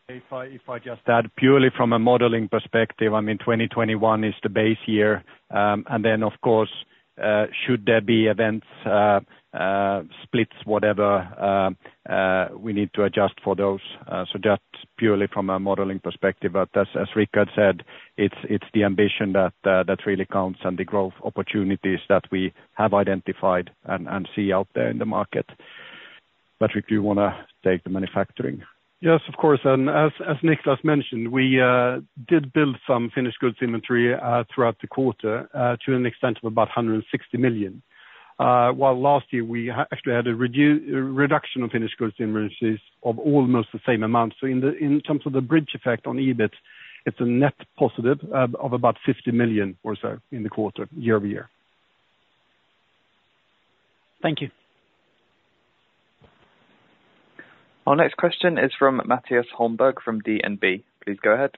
If I just add purely from a modeling perspective, I mean, 2021 is the base year. Of course, should there be events, splits, whatever, we need to adjust for those. Just purely from a modeling perspective. As Rickard had said, it's the ambition that really counts and the growth opportunities that we have identified and see out there in the market. Patrik, do you wanna take the manufacturing? Yes, of course. As Niclas mentioned, we did build some finished goods inventory throughout the quarter to an extent of about 160 million. While last year we actually had a reduction of finished goods inventories of almost the same amount. In terms of the bridge effect on EBIT, it's a net positive of about 50 million or so in the quarter, year-over-year. Thank you. Our next question is from Mattias Holmberg, from DNB. Please go ahead.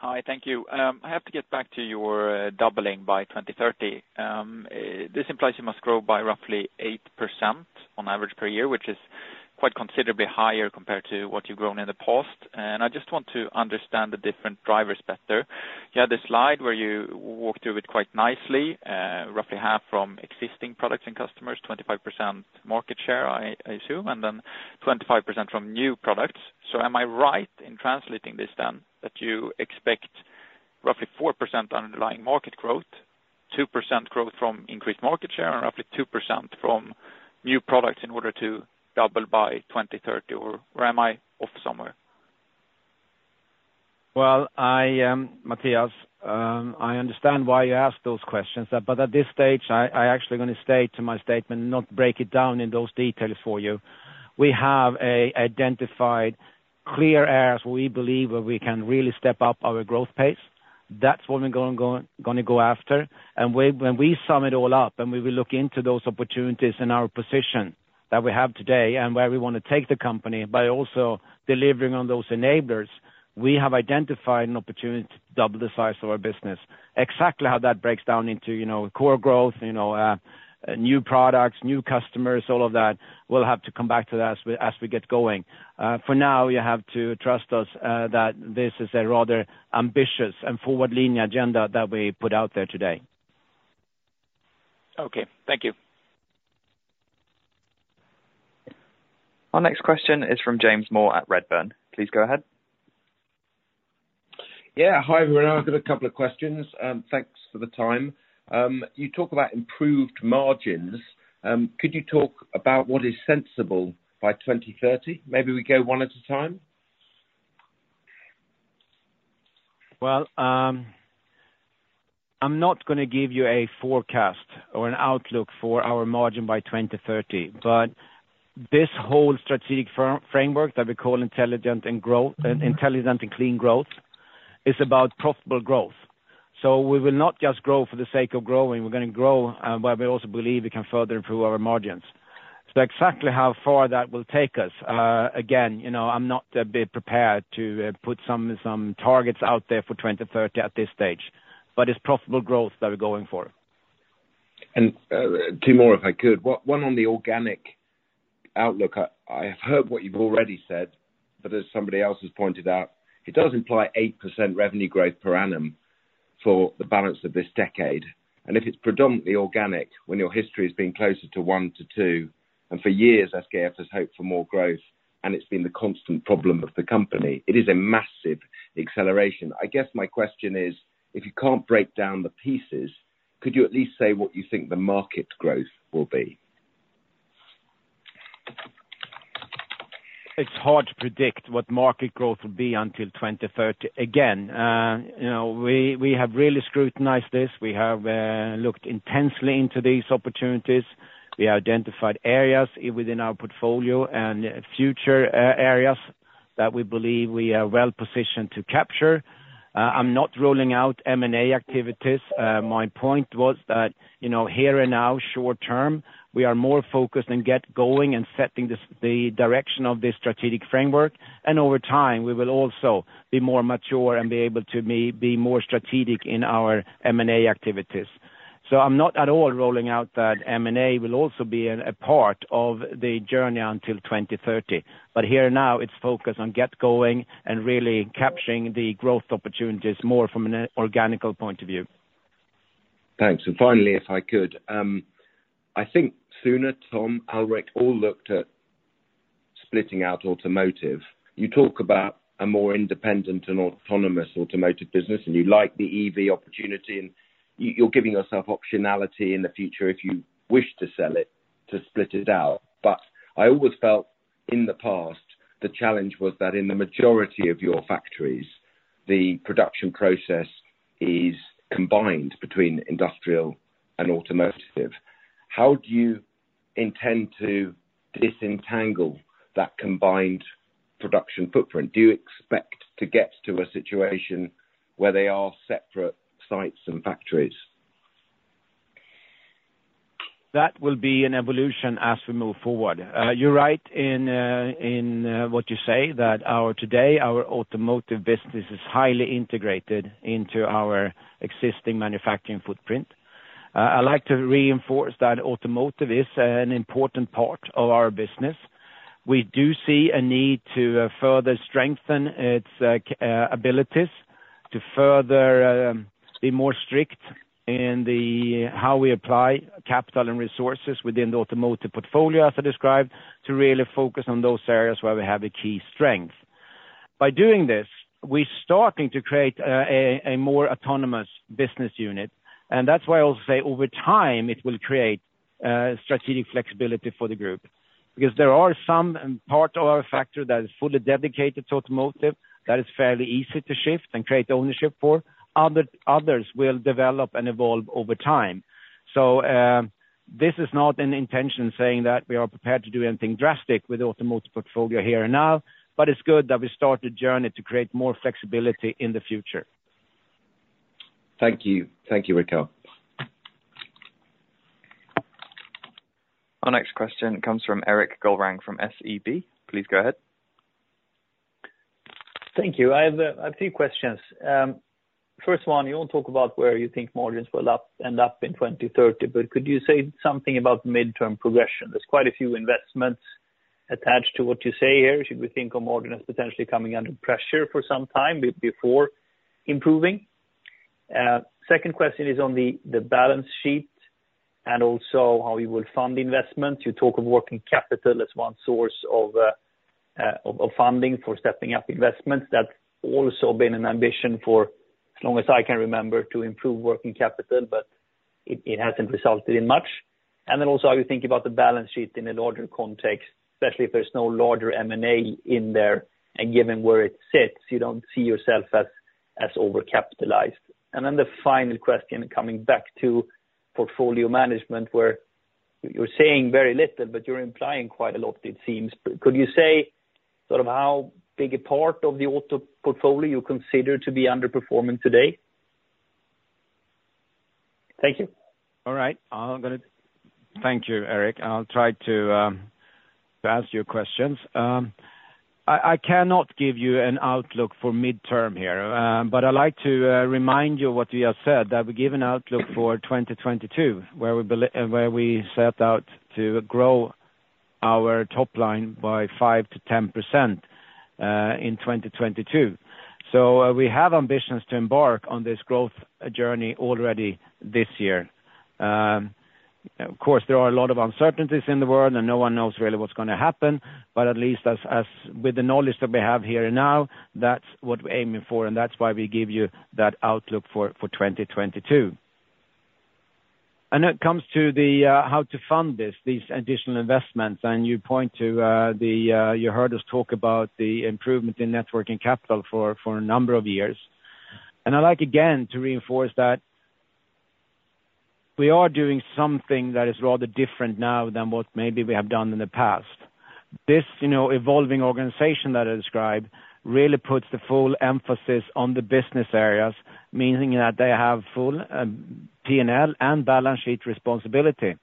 Hi. Thank you. I have to get back to your doubling by 2030. This implies you must grow by roughly 8% on average per year, which is quite considerably higher compared to what you've grown in the past. I just want to understand the different drivers better. You had this slide where you walked through it quite nicely, roughly half from existing products and customers, 25% market share, I assume, and then 25% from new products. Am I right in translating this then that you expect roughly 4% underlying market growth, 2% growth from increased market share, and roughly 2% from new products in order to double by 2030, or where am I off somewhere? Well, Mathias, I understand why you ask those questions. At this stage, I actually gonna stay to my statement, not break it down in those details for you. We have identified clear areas we believe where we can really step up our growth pace. That's what we're gonna go after. When we sum it all up and we will look into those opportunities and our position that we have today and where we wanna take the company, by also delivering on those enablers, we have identified an opportunity to double the size of our business. Exactly how that breaks down into, you know, core growth, you know, new products, new customers, all of that, we'll have to come back to that as we get going. For now, you have to trust us that this is a rather ambitious and forward-leaning agenda that we put out there today. Okay, thank you. Our next question is from James Moore at Redburn. Please go ahead. Yeah. Hi, everyone. I've got a couple of questions. Thanks for the time. You talk about improved margins. Could you talk about what is sensible by 2030? Maybe we go one at a time. Well, I'm not gonna give you a forecast or an outlook for our margin by 2030, but this whole strategic framework that we call Intelligent and Clean Growth is about profitable growth. We will not just grow for the sake of growing. We're gonna grow, but we also believe we can further improve our margins. Exactly how far that will take us, again, you know, I'm not a bit prepared to put some targets out there for 2030 at this stage, but it's profitable growth that we're going for. Two more, if I could. One on the organic outlook. I have heard what you've already said, but as somebody else has pointed out, it does imply 8% revenue growth per annum for the balance of this decade. If it's predominantly organic, when your history has been closer to 1%-2%, and for years, SKF has hoped for more growth, and it's been the constant problem of the company, it is a massive acceleration. I guess my question is. If you can't break down the pieces, could you at least say what you think the market growth will be? It's hard to predict what market growth will be until 2030. Again, you know, we have really scrutinized this. We have looked intensely into these opportunities. We identified areas within our portfolio and future areas that we believe we are well-positioned to capture. I'm not ruling out M&A activities. My point was that, you know, here and now, short term, we are more focused on get going and setting the direction of this strategic framework, and over time, we will also be more mature and be able to be more strategic in our M&A activities. I'm not at all ruling out that M&A will also be a part of the journey until 2030. Here now it's focused on get going and really capturing the growth opportunities more from an organic point of view. Thanks. Finally, if I could, I think Suna, Tom, Alrik all looked at splitting out Automotive. You talk about a more independent and autonomous Automotive business, and you like the EV opportunity, and you're giving yourself optionality in the future if you wish to sell it, to split it out. I always felt in the past, the challenge was that in the majority of your factories. The production process is combined between Industrial and Automotive. How do you intend to disentangle that combined production footprint? Do you expect to get to a situation where they are separate sites and factories? That will be an evolution as we move forward. You're right in what you say, that today our Automotive business is highly integrated into our existing manufacturing footprint. I like to reinforce that Automotive is an important part of our business. We do see a need to further strengthen its capabilities to further be more strict in how we apply capital and resources within the Automotive portfolio, as I described, to really focus on those areas where we have a key strength. By doing this, we're starting to create a more autonomous business unit, and that's why I'll say over time it will create strategic flexibility for the group. Because there are some part of our factory that is fully dedicated to Automotive that is fairly easy to shift and create ownership for. Others will develop and evolve over time. This is not an intention saying that we are prepared to do anything drastic with automotive portfolio here and now, but it's good that we start the journey to create more flexibility in the future. Thank you. Thank you, Rickard. Our next question comes from Erik Golrang from SEB. Please go ahead. Thank you. I have a few questions. First one, you all talk about where you think margins will end up in 2030, but could you say something about mid-term progression? There's quite a few investments attached to what you say here. Should we think of margin as potentially coming under pressure for some time before improving? Second question is on the balance sheet and also how you will fund investments. You talk of working capital as one source of funding for stepping up investments. That's also been an ambition for as long as I can remember to improve working capital, but it hasn't resulted in much. Then also how you think about the balance sheet in a larger context, especially if there's no larger M&A in there, and given where it sits, you don't see yourself as overcapitalized. The final question, coming back to portfolio management, where you're saying very little, but you're implying quite a lot it seems. Could you say sort of how big a part of the auto portfolio you consider to be underperforming today? Thank you. All right. Thank you, Erik. I'll try to answer your questions. I cannot give you an outlook for midterm here, but I like to remind you what we have said, that we give an outlook for 2022, where we set out to grow our top line by 5%-10% in 2022. We have ambitions to embark on this growth journey already this year. Of course, there are a lot of uncertainties in the world, and no one knows really what's gonna happen. But at least as with the knowledge that we have here now, that's what we're aiming for, and that's why we give you that outlook for 2022. It comes to the how to fund these additional investments. You point to, you heard us talk about the improvement in net working capital for a number of years. I'd like again to reinforce that we are doing something that is rather different now than what maybe we have done in the past. This, you know, evolving organization that I described really puts the full emphasis on the business areas, meaning that they have full P&L and balance sheet responsibility.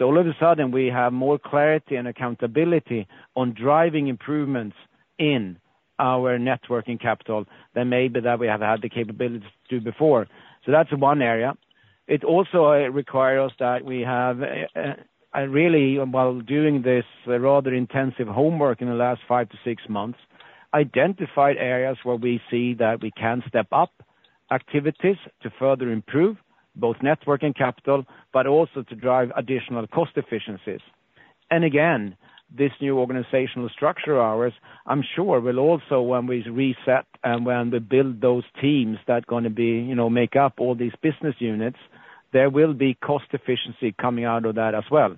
All of a sudden we have more clarity and accountability on driving improvements in our net working capital than maybe that we have had the capability to do before. That's one area. It also requires that we have really while doing this rather intensive homework in the last five to six months, identified areas where we see that we can step up activities to further improve both net working capital, but also to drive additional cost efficiencies. Again, this new organizational structure of ours, I'm sure will also when we reset and when we build those teams that gonna be, you know, make up all these business units, there will be cost efficiency coming out of that as well.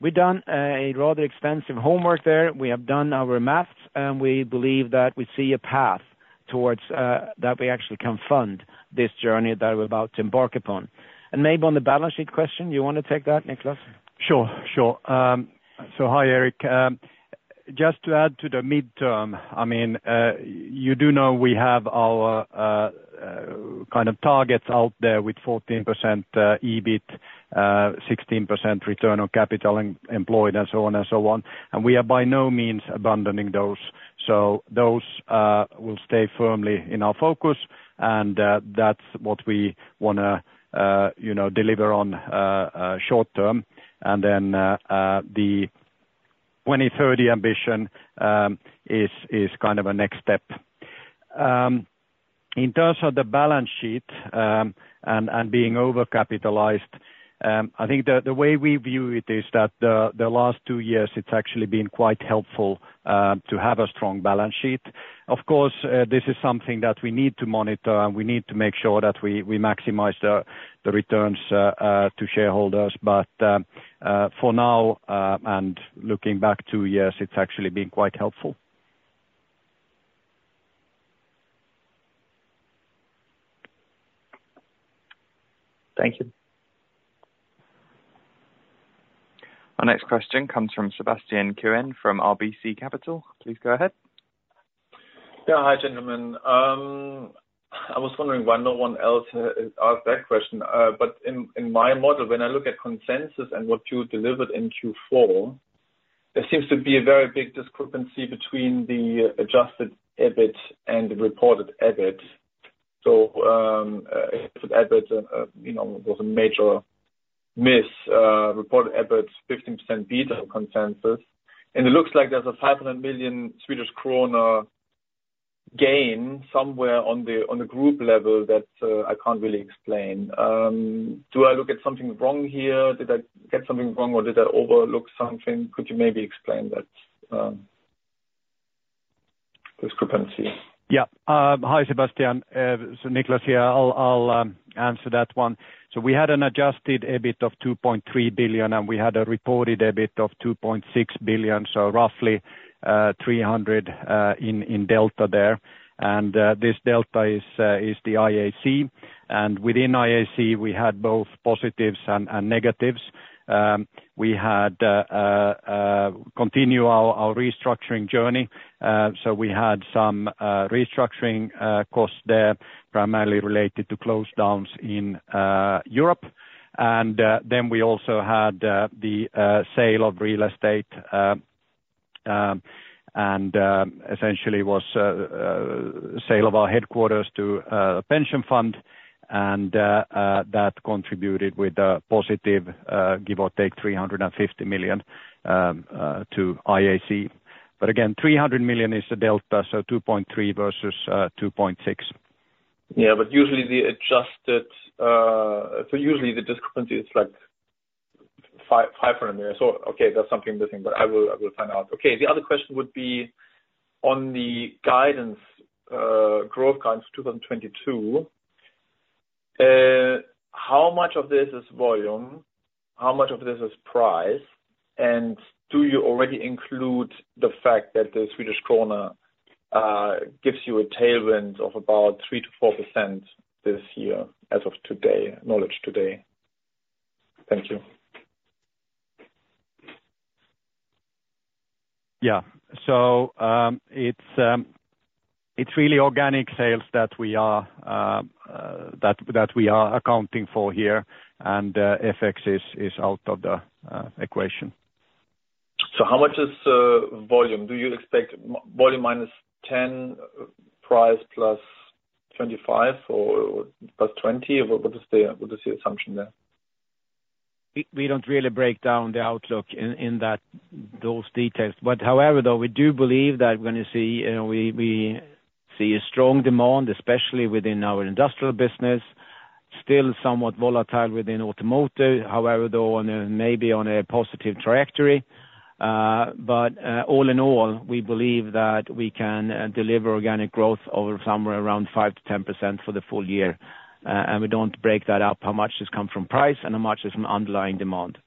We've done a rather extensive homework there. We have done our math, and we believe that we see a path towards that we actually can fund this journey that we're about to embark upon. Maybe on the balance sheet question, you wanna take that, Niclas? Sure, sure. Hi, Erik. Just to add to the midterm, I mean, you do know we have our kind of targets out there with 14% EBIT, 16% return on capital employed and so on and so on. We are by no means abandoning those. Those will stay firmly in our focus and that's what we wanna you know deliver on short term. Then the 2030 ambition is kind of a next step. In terms of the balance sheet and being overcapitalized, I think the way we view it is that the last two years it's actually been quite helpful to have a strong balance sheet. Of course, this is something that we need to monitor, and we need to make sure that we maximize the returns to shareholders. For now, and looking back two years, it's actually been quite helpful. Thank you. Our next question comes from Sebastian Kuenne from RBC Capital. Please go ahead. Yeah. Hi, gentlemen. I was wondering why no one else has asked that question. In my model, when I look at consensus and what you delivered in Q4, there seems to be a very big discrepancy between the adjusted EBIT and the reported EBIT. If EBIT was a major miss, you know, reported EBIT 15% beat on consensus, and it looks like there's a 500 million Swedish kronor gain somewhere on the group level that I can't really explain. Do I look at something wrong here? Did I get something wrong, or did I overlook something? Could you maybe explain that discrepancy? Hi, Sebastian. Niclas here. I'll answer that one. We had an adjusted EBIT of 2.3 billion, and we had a reported EBIT of 2.6 billion, so roughly 300 million in delta there. This delta is the IAC, and within IAC, we had both positives and negatives. We had to continue our restructuring journey. So we had some restructuring costs there, primarily related to close downs in Europe. Then we also had the sale of real estate, and essentially the sale of our headquarters to a pension fund. That contributed with a positive, give or take 350 million, to IAC. Again, 300 million is the delta, so 2.3 billion versus 2.6 billion. Usually the adjusted. Usually the discrepancy is, like, 500 million. Okay, there's something missing, but I will find out. The other question would be on the guidance, growth guidance for 2022. How much of this is volume? How much of this is price? And do you already include the fact that the Swedish krona gives you a tailwind of about 3%-4% this year as of today, knowledge today? Thank you. Yeah. It's really organic sales that we are accounting for here, and FX is out of the equation. How much is volume? Do you expect volume -10%, price +25% or +20%? What is the assumption there? We don't really break down the outlook in those details. However, though, we do believe that when you see, you know, we see a strong demand, especially within our Industrial business, still somewhat volatile within Automotive, however though, maybe on a positive trajectory. All in all, we believe that we can deliver organic growth of somewhere around 5%-10% for the full year. We don't break that up, how much has come from price and how much is from underlying demand.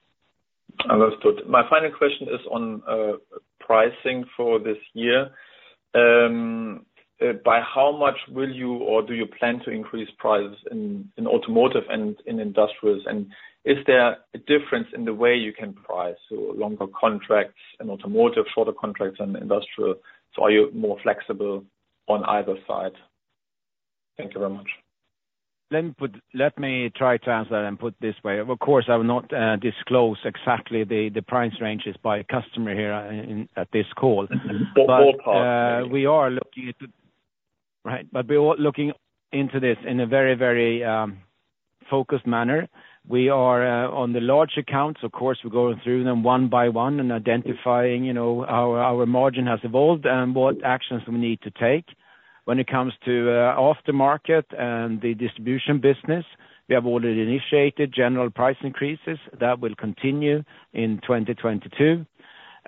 Understood. My final question is on pricing for this year. By how much will you or do you plan to increase prices in Automotive and in Industrials? And is there a difference in the way you can price, so longer contracts in Automotive, shorter contracts in Industrial? Are you more flexible on either side? Thank you very much. Let me try to answer that and put this way. Of course, I will not disclose exactly the price ranges by customer here at this call. Ballpark maybe. We're looking into this in a very focused manner. We are on the large accounts, of course. We're going through them one by one and identifying, you know, how our margin has evolved and what actions we need to take. When it comes to aftermarket and the distribution business, we have already initiated general price increases. That will continue in 2022.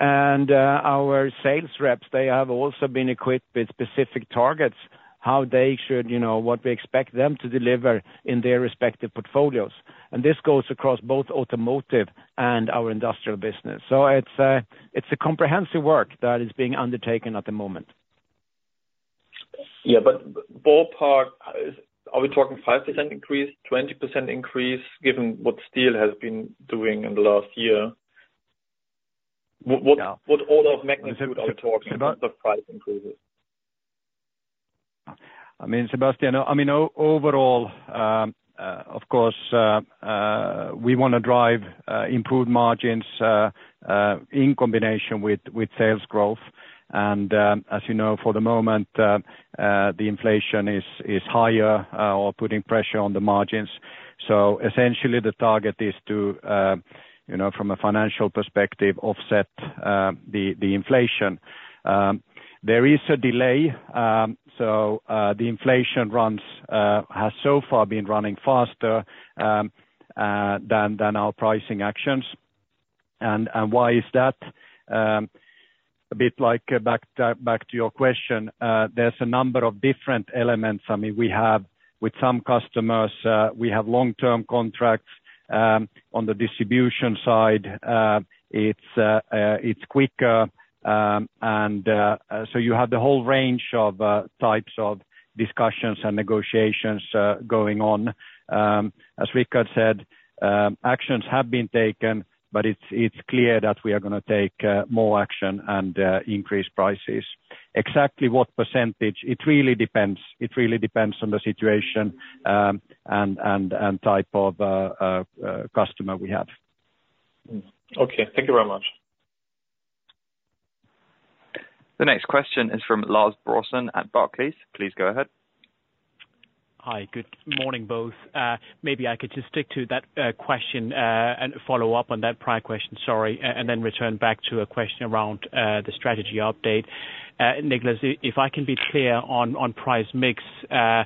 Our sales reps, they have also been equipped with specific targets, how they should, you know, what we expect them to deliver in their respective portfolios. This goes across both automotive and our industrial business. It's a comprehensive work that is being undertaken at the moment. Ballpark, are we talking 5% increase, 20% increase, given what steel has been doing in the last year? Yeah. What order of magnitude are we talking about the price increases? I mean, Sebastian, overall, of course, we wanna drive improved margins in combination with sales growth. As you know, for the moment, the inflation is higher or putting pressure on the margins. Essentially, the target is to, you know, from a financial perspective, offset the inflation. There is a delay, the inflation has so far been running faster than our pricing actions. Why is that? A bit like back to your question. There's a number of different elements. I mean, we have with some customers, we have long-term contracts. On the distribution side, it's quicker. You have the whole range of types of discussions and negotiations going on. As Rickard said, actions have been taken, but it's clear that we are gonna take more action and increase prices. Exactly what percentage? It really depends. It really depends on the situation, and type of customer we have. Okay, thank you very much. The next question is from Lars Brorson at Barclays. Please go ahead. Hi. Good morning, both. Maybe I could just stick to that question and follow up on that prior question, sorry, and then return back to a question around the strategy update. Niclas, if I can be clear on price mix, I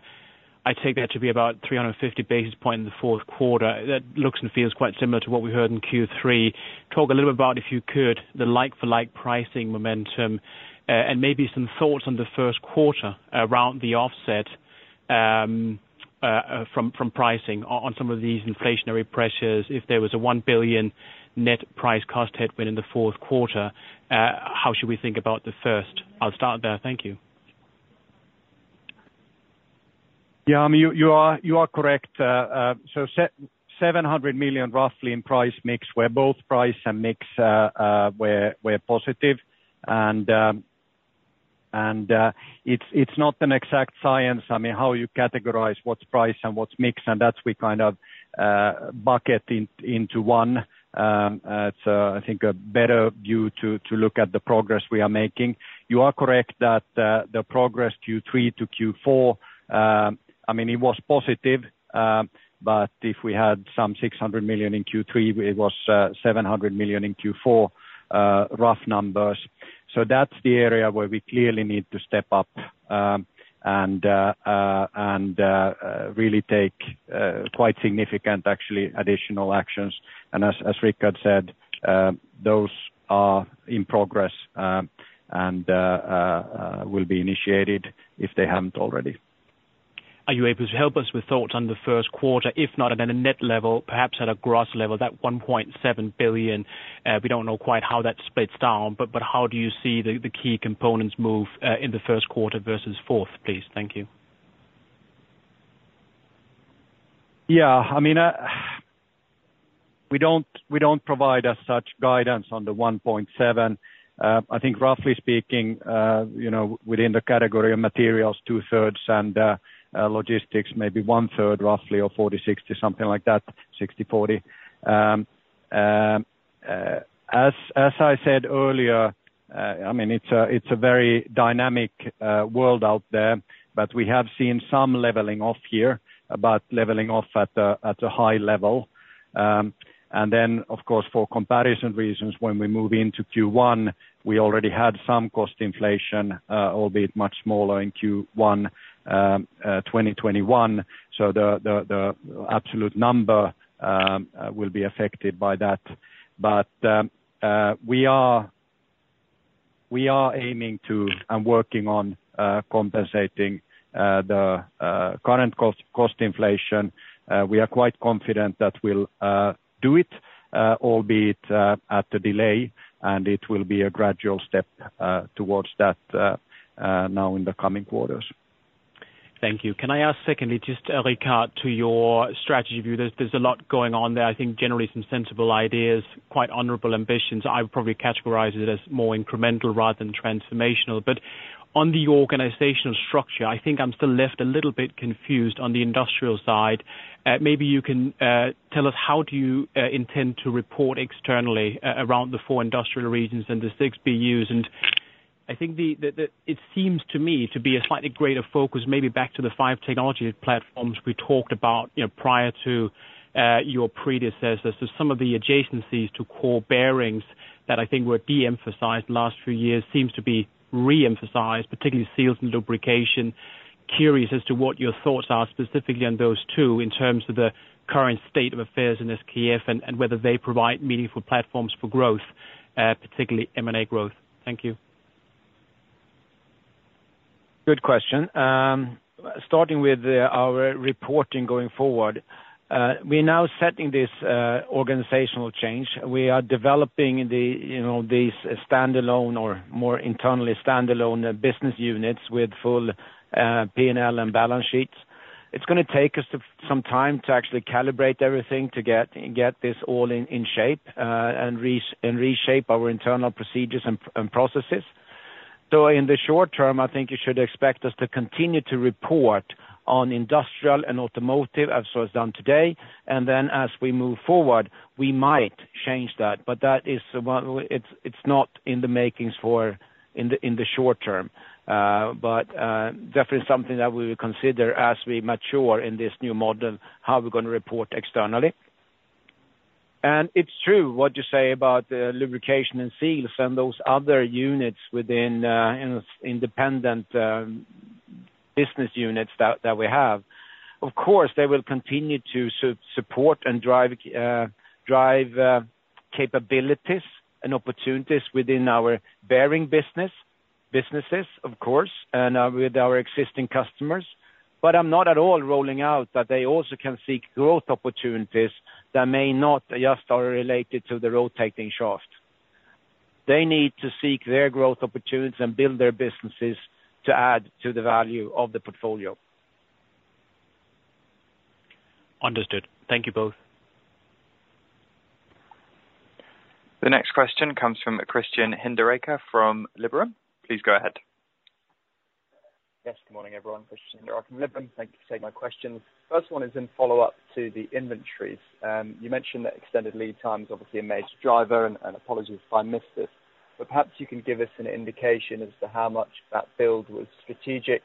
take there to be about 350 basis points in the fourth quarter. That looks and feels quite similar to what we heard in Q3. Talk a little bit about, if you could, the like for like pricing momentum, and maybe some thoughts on the first quarter around the offset from pricing on some of these inflationary pressures. If there was a 1 billion net price cost headwind in the fourth quarter, how should we think about the first? I'll start there. Thank you. Yeah, I mean, you are correct. So 700 million roughly in price mix, where both price and mix were positive. It's not an exact science. I mean, how you categorize what's price and what's mix, and that's we kind of bucket into one. It's I think a better view to look at the progress we are making. You are correct that the progress Q3 to Q4, I mean, it was positive, but if we had some 600 million in Q3, it was 700 million in Q4, rough numbers. So that's the area where we clearly need to step up, and really take quite significant, actually, additional actions. As Rickard said, those are in progress and will be initiated if they haven't already. Are you able to help us with thoughts on the first quarter, if not at a net level, perhaps at a gross level, that 1.7 billion? We don't know quite how that splits down, but how do you see the key components move in the first quarter versus fourth, please? Thank you. Yeah, I mean, we don't provide as such guidance on the 1.7. I think roughly speaking, you know, within the category of materials, two-thirds and logistics, maybe one-third roughly or 40-60, something like that, 60-40. As I said earlier, I mean, it's a very dynamic world out there, but we have seen some leveling off here, but leveling off at a high level. Of course, for comparison reasons, when we move into Q1, we already had some cost inflation, albeit much smaller in Q1 2021. The absolute number will be affected by that. We are aiming to and working on compensating the current cost inflation. We are quite confident that we'll do it, albeit at a delay, and it will be a gradual step towards that now in the coming quarters. Thank you. Can I ask secondly, just Rickard, to your strategy view. There's a lot going on there. I think generally some sensible ideas, quite honorable ambitions. I would probably categorize it as more incremental rather than transformational. On the organizational structure, I think I'm still left a little bit confused on the industrial side. Maybe you can tell us how do you intend to report externally around the four industrial regions and the six BUs? I think it seems to me to be a slightly greater focus, maybe back to the five technology platforms we talked about, you know, prior to your predecessor. Some of the adjacencies to core bearings that I think were de-emphasized in the last few years seems to be re-emphasized, particularly seals and lubrication. Curious as to what your thoughts are specifically on those two in terms of the current state of affairs in SKF and whether they provide meaningful platforms for growth, particularly M&A growth. Thank you. Good question. Starting with our reporting going forward, we're now setting this organizational change. We are developing the, you know, these standalone or more internally standalone business units with full P&L and balance sheets. It's gonna take us some time to actually calibrate everything to get this all in shape and reshape our internal procedures and processes. In the short term, I think you should expect us to continue to report on Industrial and Automotive as it's done today. As we move forward, we might change that. That is what it is. It's not in the making in the short term. Definitely something that we will consider as we mature in this new model, how we're gonna report externally. It's true what you say about lubrication and seals and those other units within independent business units that we have. Of course, they will continue to support and drive capabilities and opportunities within our bearing business of course, and with our existing customers. But I'm not at all rolling out that they also can seek growth opportunities that may not just are related to the rotating shaft. They need to seek their growth opportunities and build their businesses to add to the value of the portfolio. Understood. Thank you both. The next question comes from Christian Hinderaker from Liberum. Please go ahead. Yes, good morning, everyone. Christian Hinderaker from Liberum. Thank you for taking my questions. First one is in follow-up to the inventories. You mentioned that extended lead times obviously a major driver, and apologies if I missed this, but perhaps you can give us an indication as to how much that build was strategic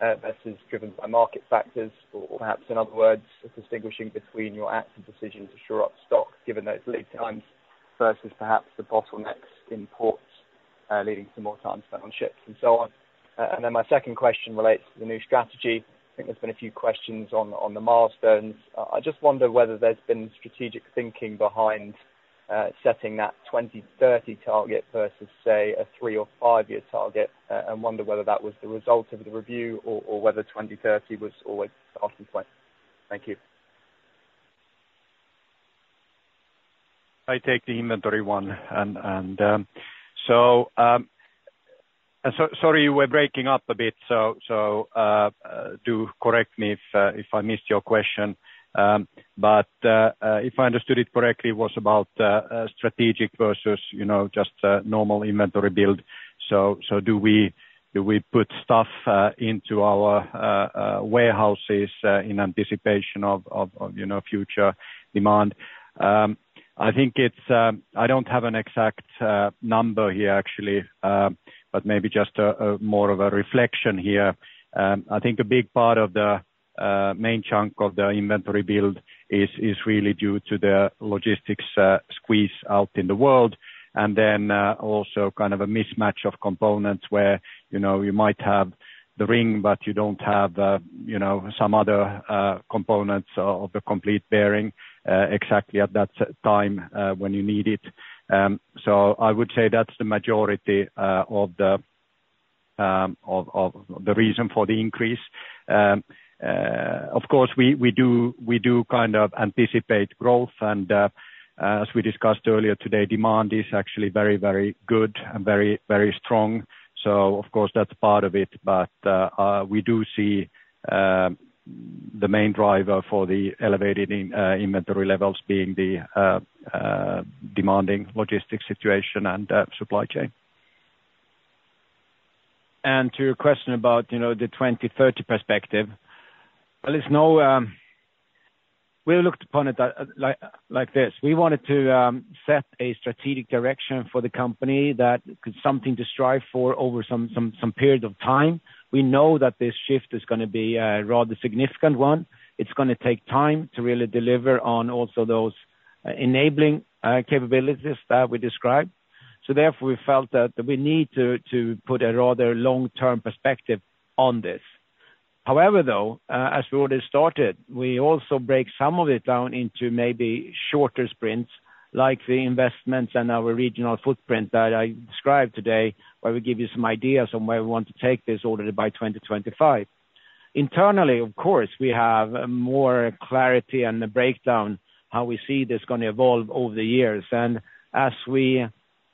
versus driven by market factors or perhaps in other words, distinguishing between your active decision to shore up stock given those lead times versus perhaps the bottlenecks in ports leading to more time spent on ships and so on. And then my second question relates to the new strategy. I think there's been a few questions on the milestones. I just wonder whether there's been strategic thinking behind setting that 2030 target versus, say, a three or five-year target. Wonder whether that was the result of the review or whether 2030 was always the starting point. Thank you. I take the inventory one. Sorry, you were breaking up a bit. Do correct me if I missed your question. But if I understood it correctly, it was about a strategic versus, you know, just a normal inventory build. Do we put stuff into our warehouses in anticipation of, you know, future demand? I think it's. I don't have an exact number here actually, but maybe just a more of a reflection here. I think a big part of the main chunk of the inventory build is really due to the logistics squeeze out in the world. Also kind of a mismatch of components where, you know, you might have the ring, but you don't have, you know, some other components of a complete bearing exactly at that time when you need it. I would say that's the majority of the reason for the increase. Of course, we do kind of anticipate growth and, as we discussed earlier today, demand is actually very, very good and very, very strong. Of course, that's part of it. We do see the main driver for the elevated inventory levels being the demanding logistics situation and supply chain. To your question about, you know, the 2030 perspective, well, it's no. We looked upon it like this. We wanted to set a strategic direction for the company that something to strive for over some period of time. We know that this shift is gonna be a rather significant one. It's gonna take time to really deliver on also those enabling capabilities that we described. Therefore, we felt that we need to put a rather long-term perspective on this. However, as we already started, we also break some of it down into maybe shorter sprints, like the investments and our regional footprint that I described today, where we give you some ideas on where we want to take this order by 2025. Internally, of course, we have more clarity and the breakdown how we see this gonna evolve over the years. As we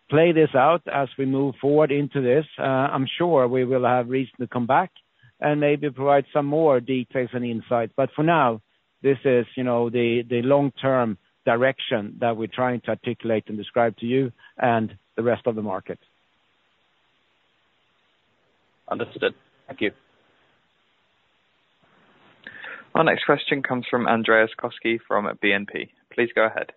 play this out, as we move forward into this, I'm sure we will have reason to come back and maybe provide some more details and insight. For now, this is, you know, the long-term direction that we're trying to articulate and describe to you and the rest of the market. Understood. Thank you. Our next question comes from Andreas Koski from BNP. Please go ahead.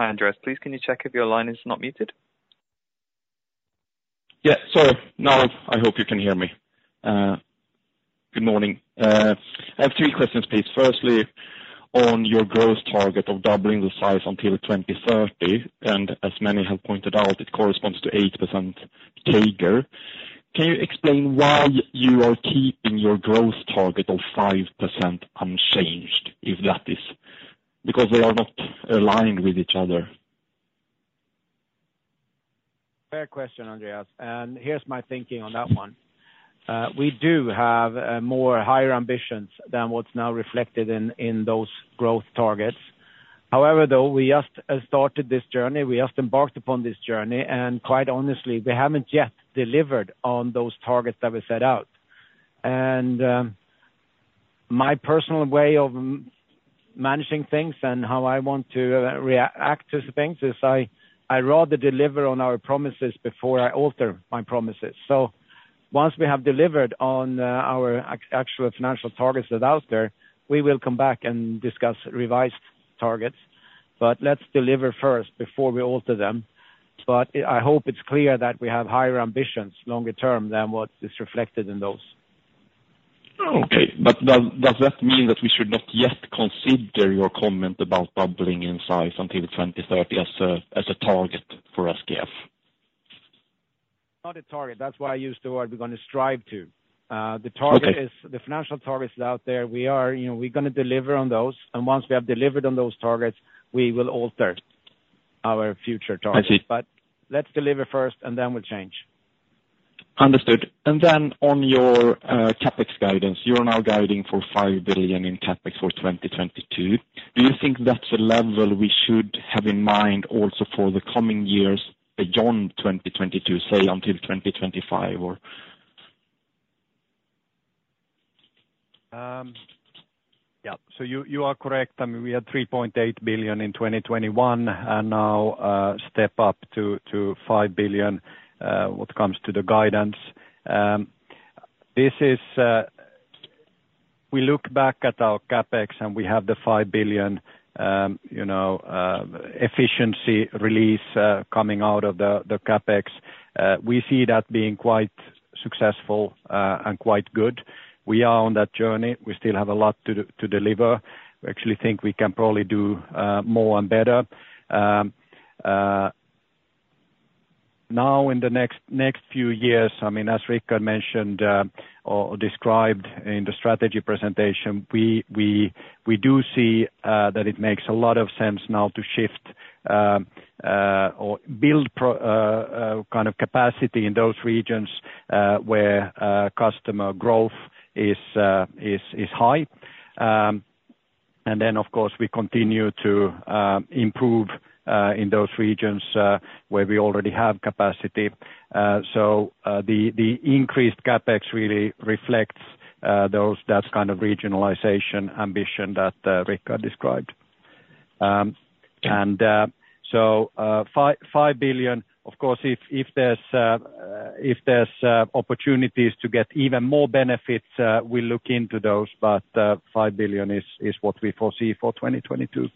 Hi, Andreas. Please, can you check if your line is not muted? Sorry. Now, I hope you can hear me. Good morning. I have three questions, please. Firstly, on your growth target of doubling the size until 2030, and as many have pointed out, it corresponds to 8% CAGR. Can you explain why you are keeping your growth target of 5% unchanged if that is because they are not aligned with each other. Fair question, Andreas. Here's my thinking on that one. We do have more higher ambitions than what's now reflected in those growth targets. However, though, we just started this journey, we just embarked upon this journey, and quite honestly, we haven't yet delivered on those targets that we set out. My personal way of managing things and how I want to react to things is I rather deliver on our promises before I alter my promises. Once we have delivered on our actual financial targets that's out there, we will come back and discuss revised targets. Let's deliver first before we alter them. I hope it's clear that we have higher ambitions longer term than what is reflected in those. Oh, okay. Does that mean that we should not yet consider your comment about doubling in size until 2030 as a target for SKF? Not a target. That's why I used the word we're gonna strive to. The target is- Okay. The financial target is out there. We are, you know, we're gonna deliver on those. Once we have delivered on those targets, we will alter our future targets. I see. Let's deliver first, and then we'll change. Understood. On your CapEx guidance, you're now guiding for 5 billion in CapEx for 2022. Do you think that's a level we should have in mind also for the coming years beyond 2022, say, until 2025 or? Yeah. You are correct. I mean, we had 3.8 billion in 2021 and now step up to 5 billion when it comes to the guidance. We look back at our CapEx, and we have the 5 billion, you know, efficiency release coming out of the CapEx. We see that being quite successful and quite good. We are on that journey. We still have a lot to deliver. We actually think we can probably do more and better. Now in the next few years, I mean, as Rickard mentioned or described in the strategy presentation, we do see that it makes a lot of sense now to shift or build kind of capacity in those regions where customer growth is high. Then, of course, we continue to improve in those regions where we already have capacity. The increased CapEx really reflects that kind of regionalization ambition that Rickard described. Five billion, of course, if there's opportunities to get even more benefits, we'll look into those. Five billion is what we foresee for 2022.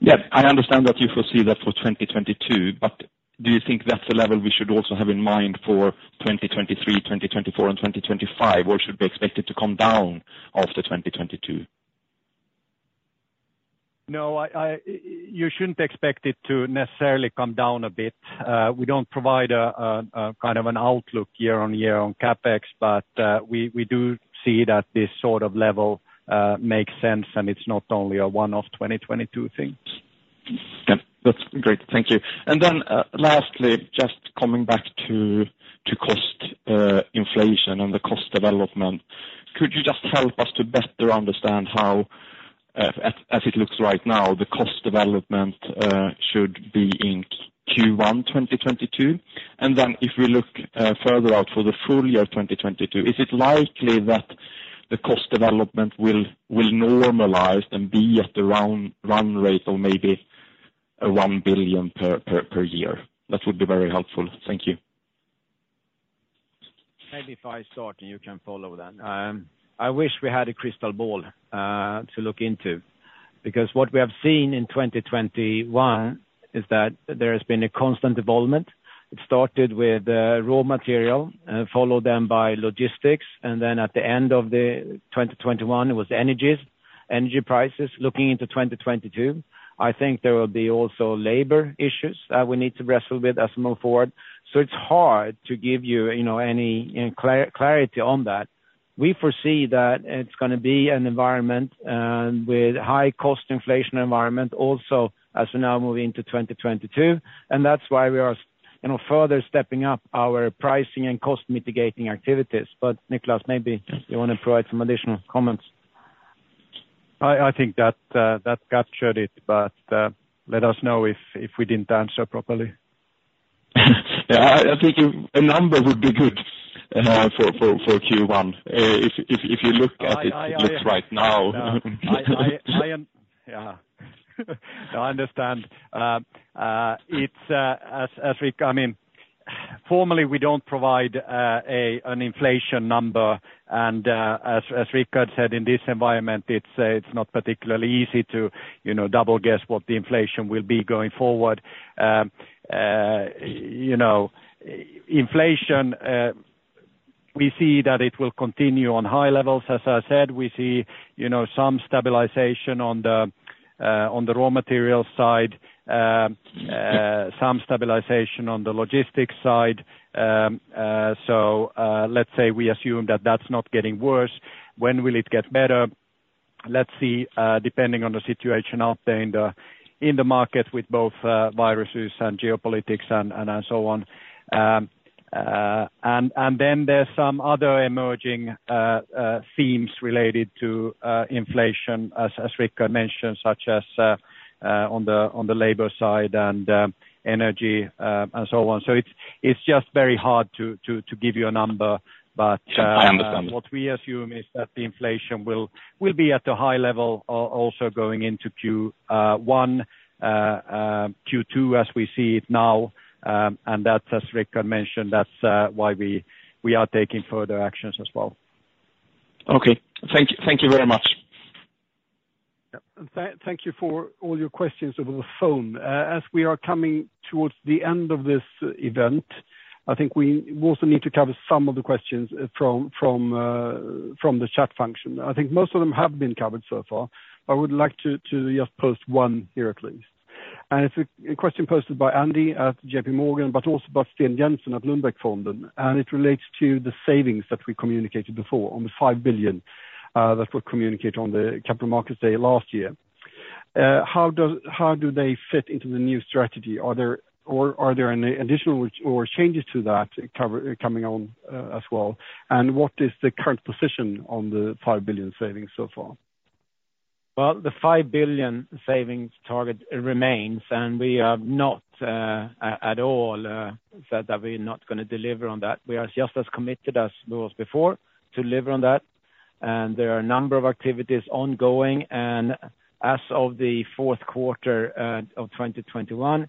Yeah, I understand that you foresee that for 2022, but do you think that's a level we should also have in mind for 2023, 2024, and 2025 or should be expected to come down after 2022? No, I. You shouldn't expect it to necessarily come down a bit. We don't provide a kind of an outlook year on year on CapEx, but we do see that this sort of level makes sense, and it's not only a one-off 2022 thing. Yeah, that's great. Thank you. Lastly, just coming back to cost inflation and the cost development, could you just help us to better understand how, as it looks right now, the cost development should be in Q1 2022? If we look further out for the full year of 2022, is it likely that the cost development will normalize and be at around run rate or maybe 1 billion per year? That would be very helpful. Thank you. Maybe if I start, and you can follow that. I wish we had a crystal ball to look into because what we have seen in 2021 is that there has been a constant evolvement. It started with raw material, followed then by logistics, and then at the end of 2021, it was energy prices. Looking into 2022, I think there will be also labor issues we need to wrestle with as we move forward. It's hard to give you know, any, you know, clarity on that. We foresee that it's gonna be a high cost inflation environment also as we now move into 2022, and that's why we are, you know, further stepping up our pricing and cost mitigating activities. Niclas, maybe you wanna provide some additional comments. I think that captured it, but let us know if we didn't answer properly. Yeah, I think a number would be good for Q1. If you look at it, it looks right now. No, I am. Yeah. No, I understand. It's as Rickard. I mean, formally, we don't provide an inflation number, and as Rickard said, in this environment, it's not particularly easy to, you know, double-guess what the inflation will be going forward. You know, inflation, we see that it will continue on high levels. As I said, we see, you know, some stabilization on the raw material side, some stabilization on the logistics side. Let's say we assume that that's not getting worse. When will it get better? Let's see, depending on the situation out there in the market with both viruses and geopolitics and so on. There's some other emerging themes related to inflation as Rickard mentioned, such as on the labor side and energy and so on. It's just very hard to give you a number. But I understand. What we assume is that the inflation will be at a high level also going into Q1, Q2 as we see it now. That's, as Rickard mentioned, why we are taking further actions as well. Okay. Thank you. Thank you very much. Thank you for all your questions over the phone. As we are coming towards the end of this event, I think we also need to cover some of the questions from the chat function. I think most of them have been covered so far, but I would like to just post one here at least. It's a question posted by Andy at JPMorgan, but also by Sten Jensen at Lundbeckfonden, and it relates to the savings that we communicated before on the 5 billion that were communicated on the capital markets day last year. How do they fit into the new strategy? Are there any additional or changes to that coming on as well? And what is the current position on the 5 billion savings so far? Well, the 5 billion savings target remains, and we have not at all said that we're not gonna deliver on that. We are just as committed as we was before to deliver on that, and there are a number of activities ongoing. As of the fourth quarter of 2021,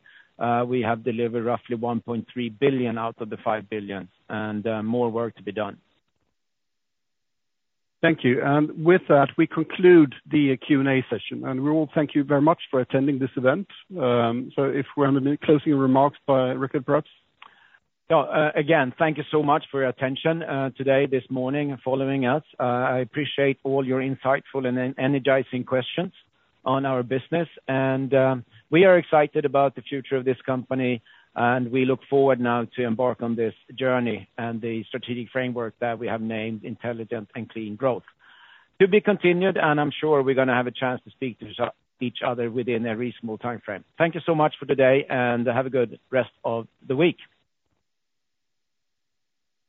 we have delivered roughly 1.3 billion out of the 5 billion, and more work to be done. Thank you. With that, we conclude the Q&A session, and we all thank you very much for attending this event. If we're on the closing remarks by Rickard, perhaps. Yeah. Again, thank you so much for your attention today, this morning, following us. I appreciate all your insightful and energizing questions on our business. We are excited about the future of this company, and we look forward now to embark on this journey and the strategic framework that we have named Intelligent and Clean Growth. To be continued, and I'm sure we're gonna have a chance to speak to each other within a reasonable timeframe. Thank you so much for today, and have a good rest of the week.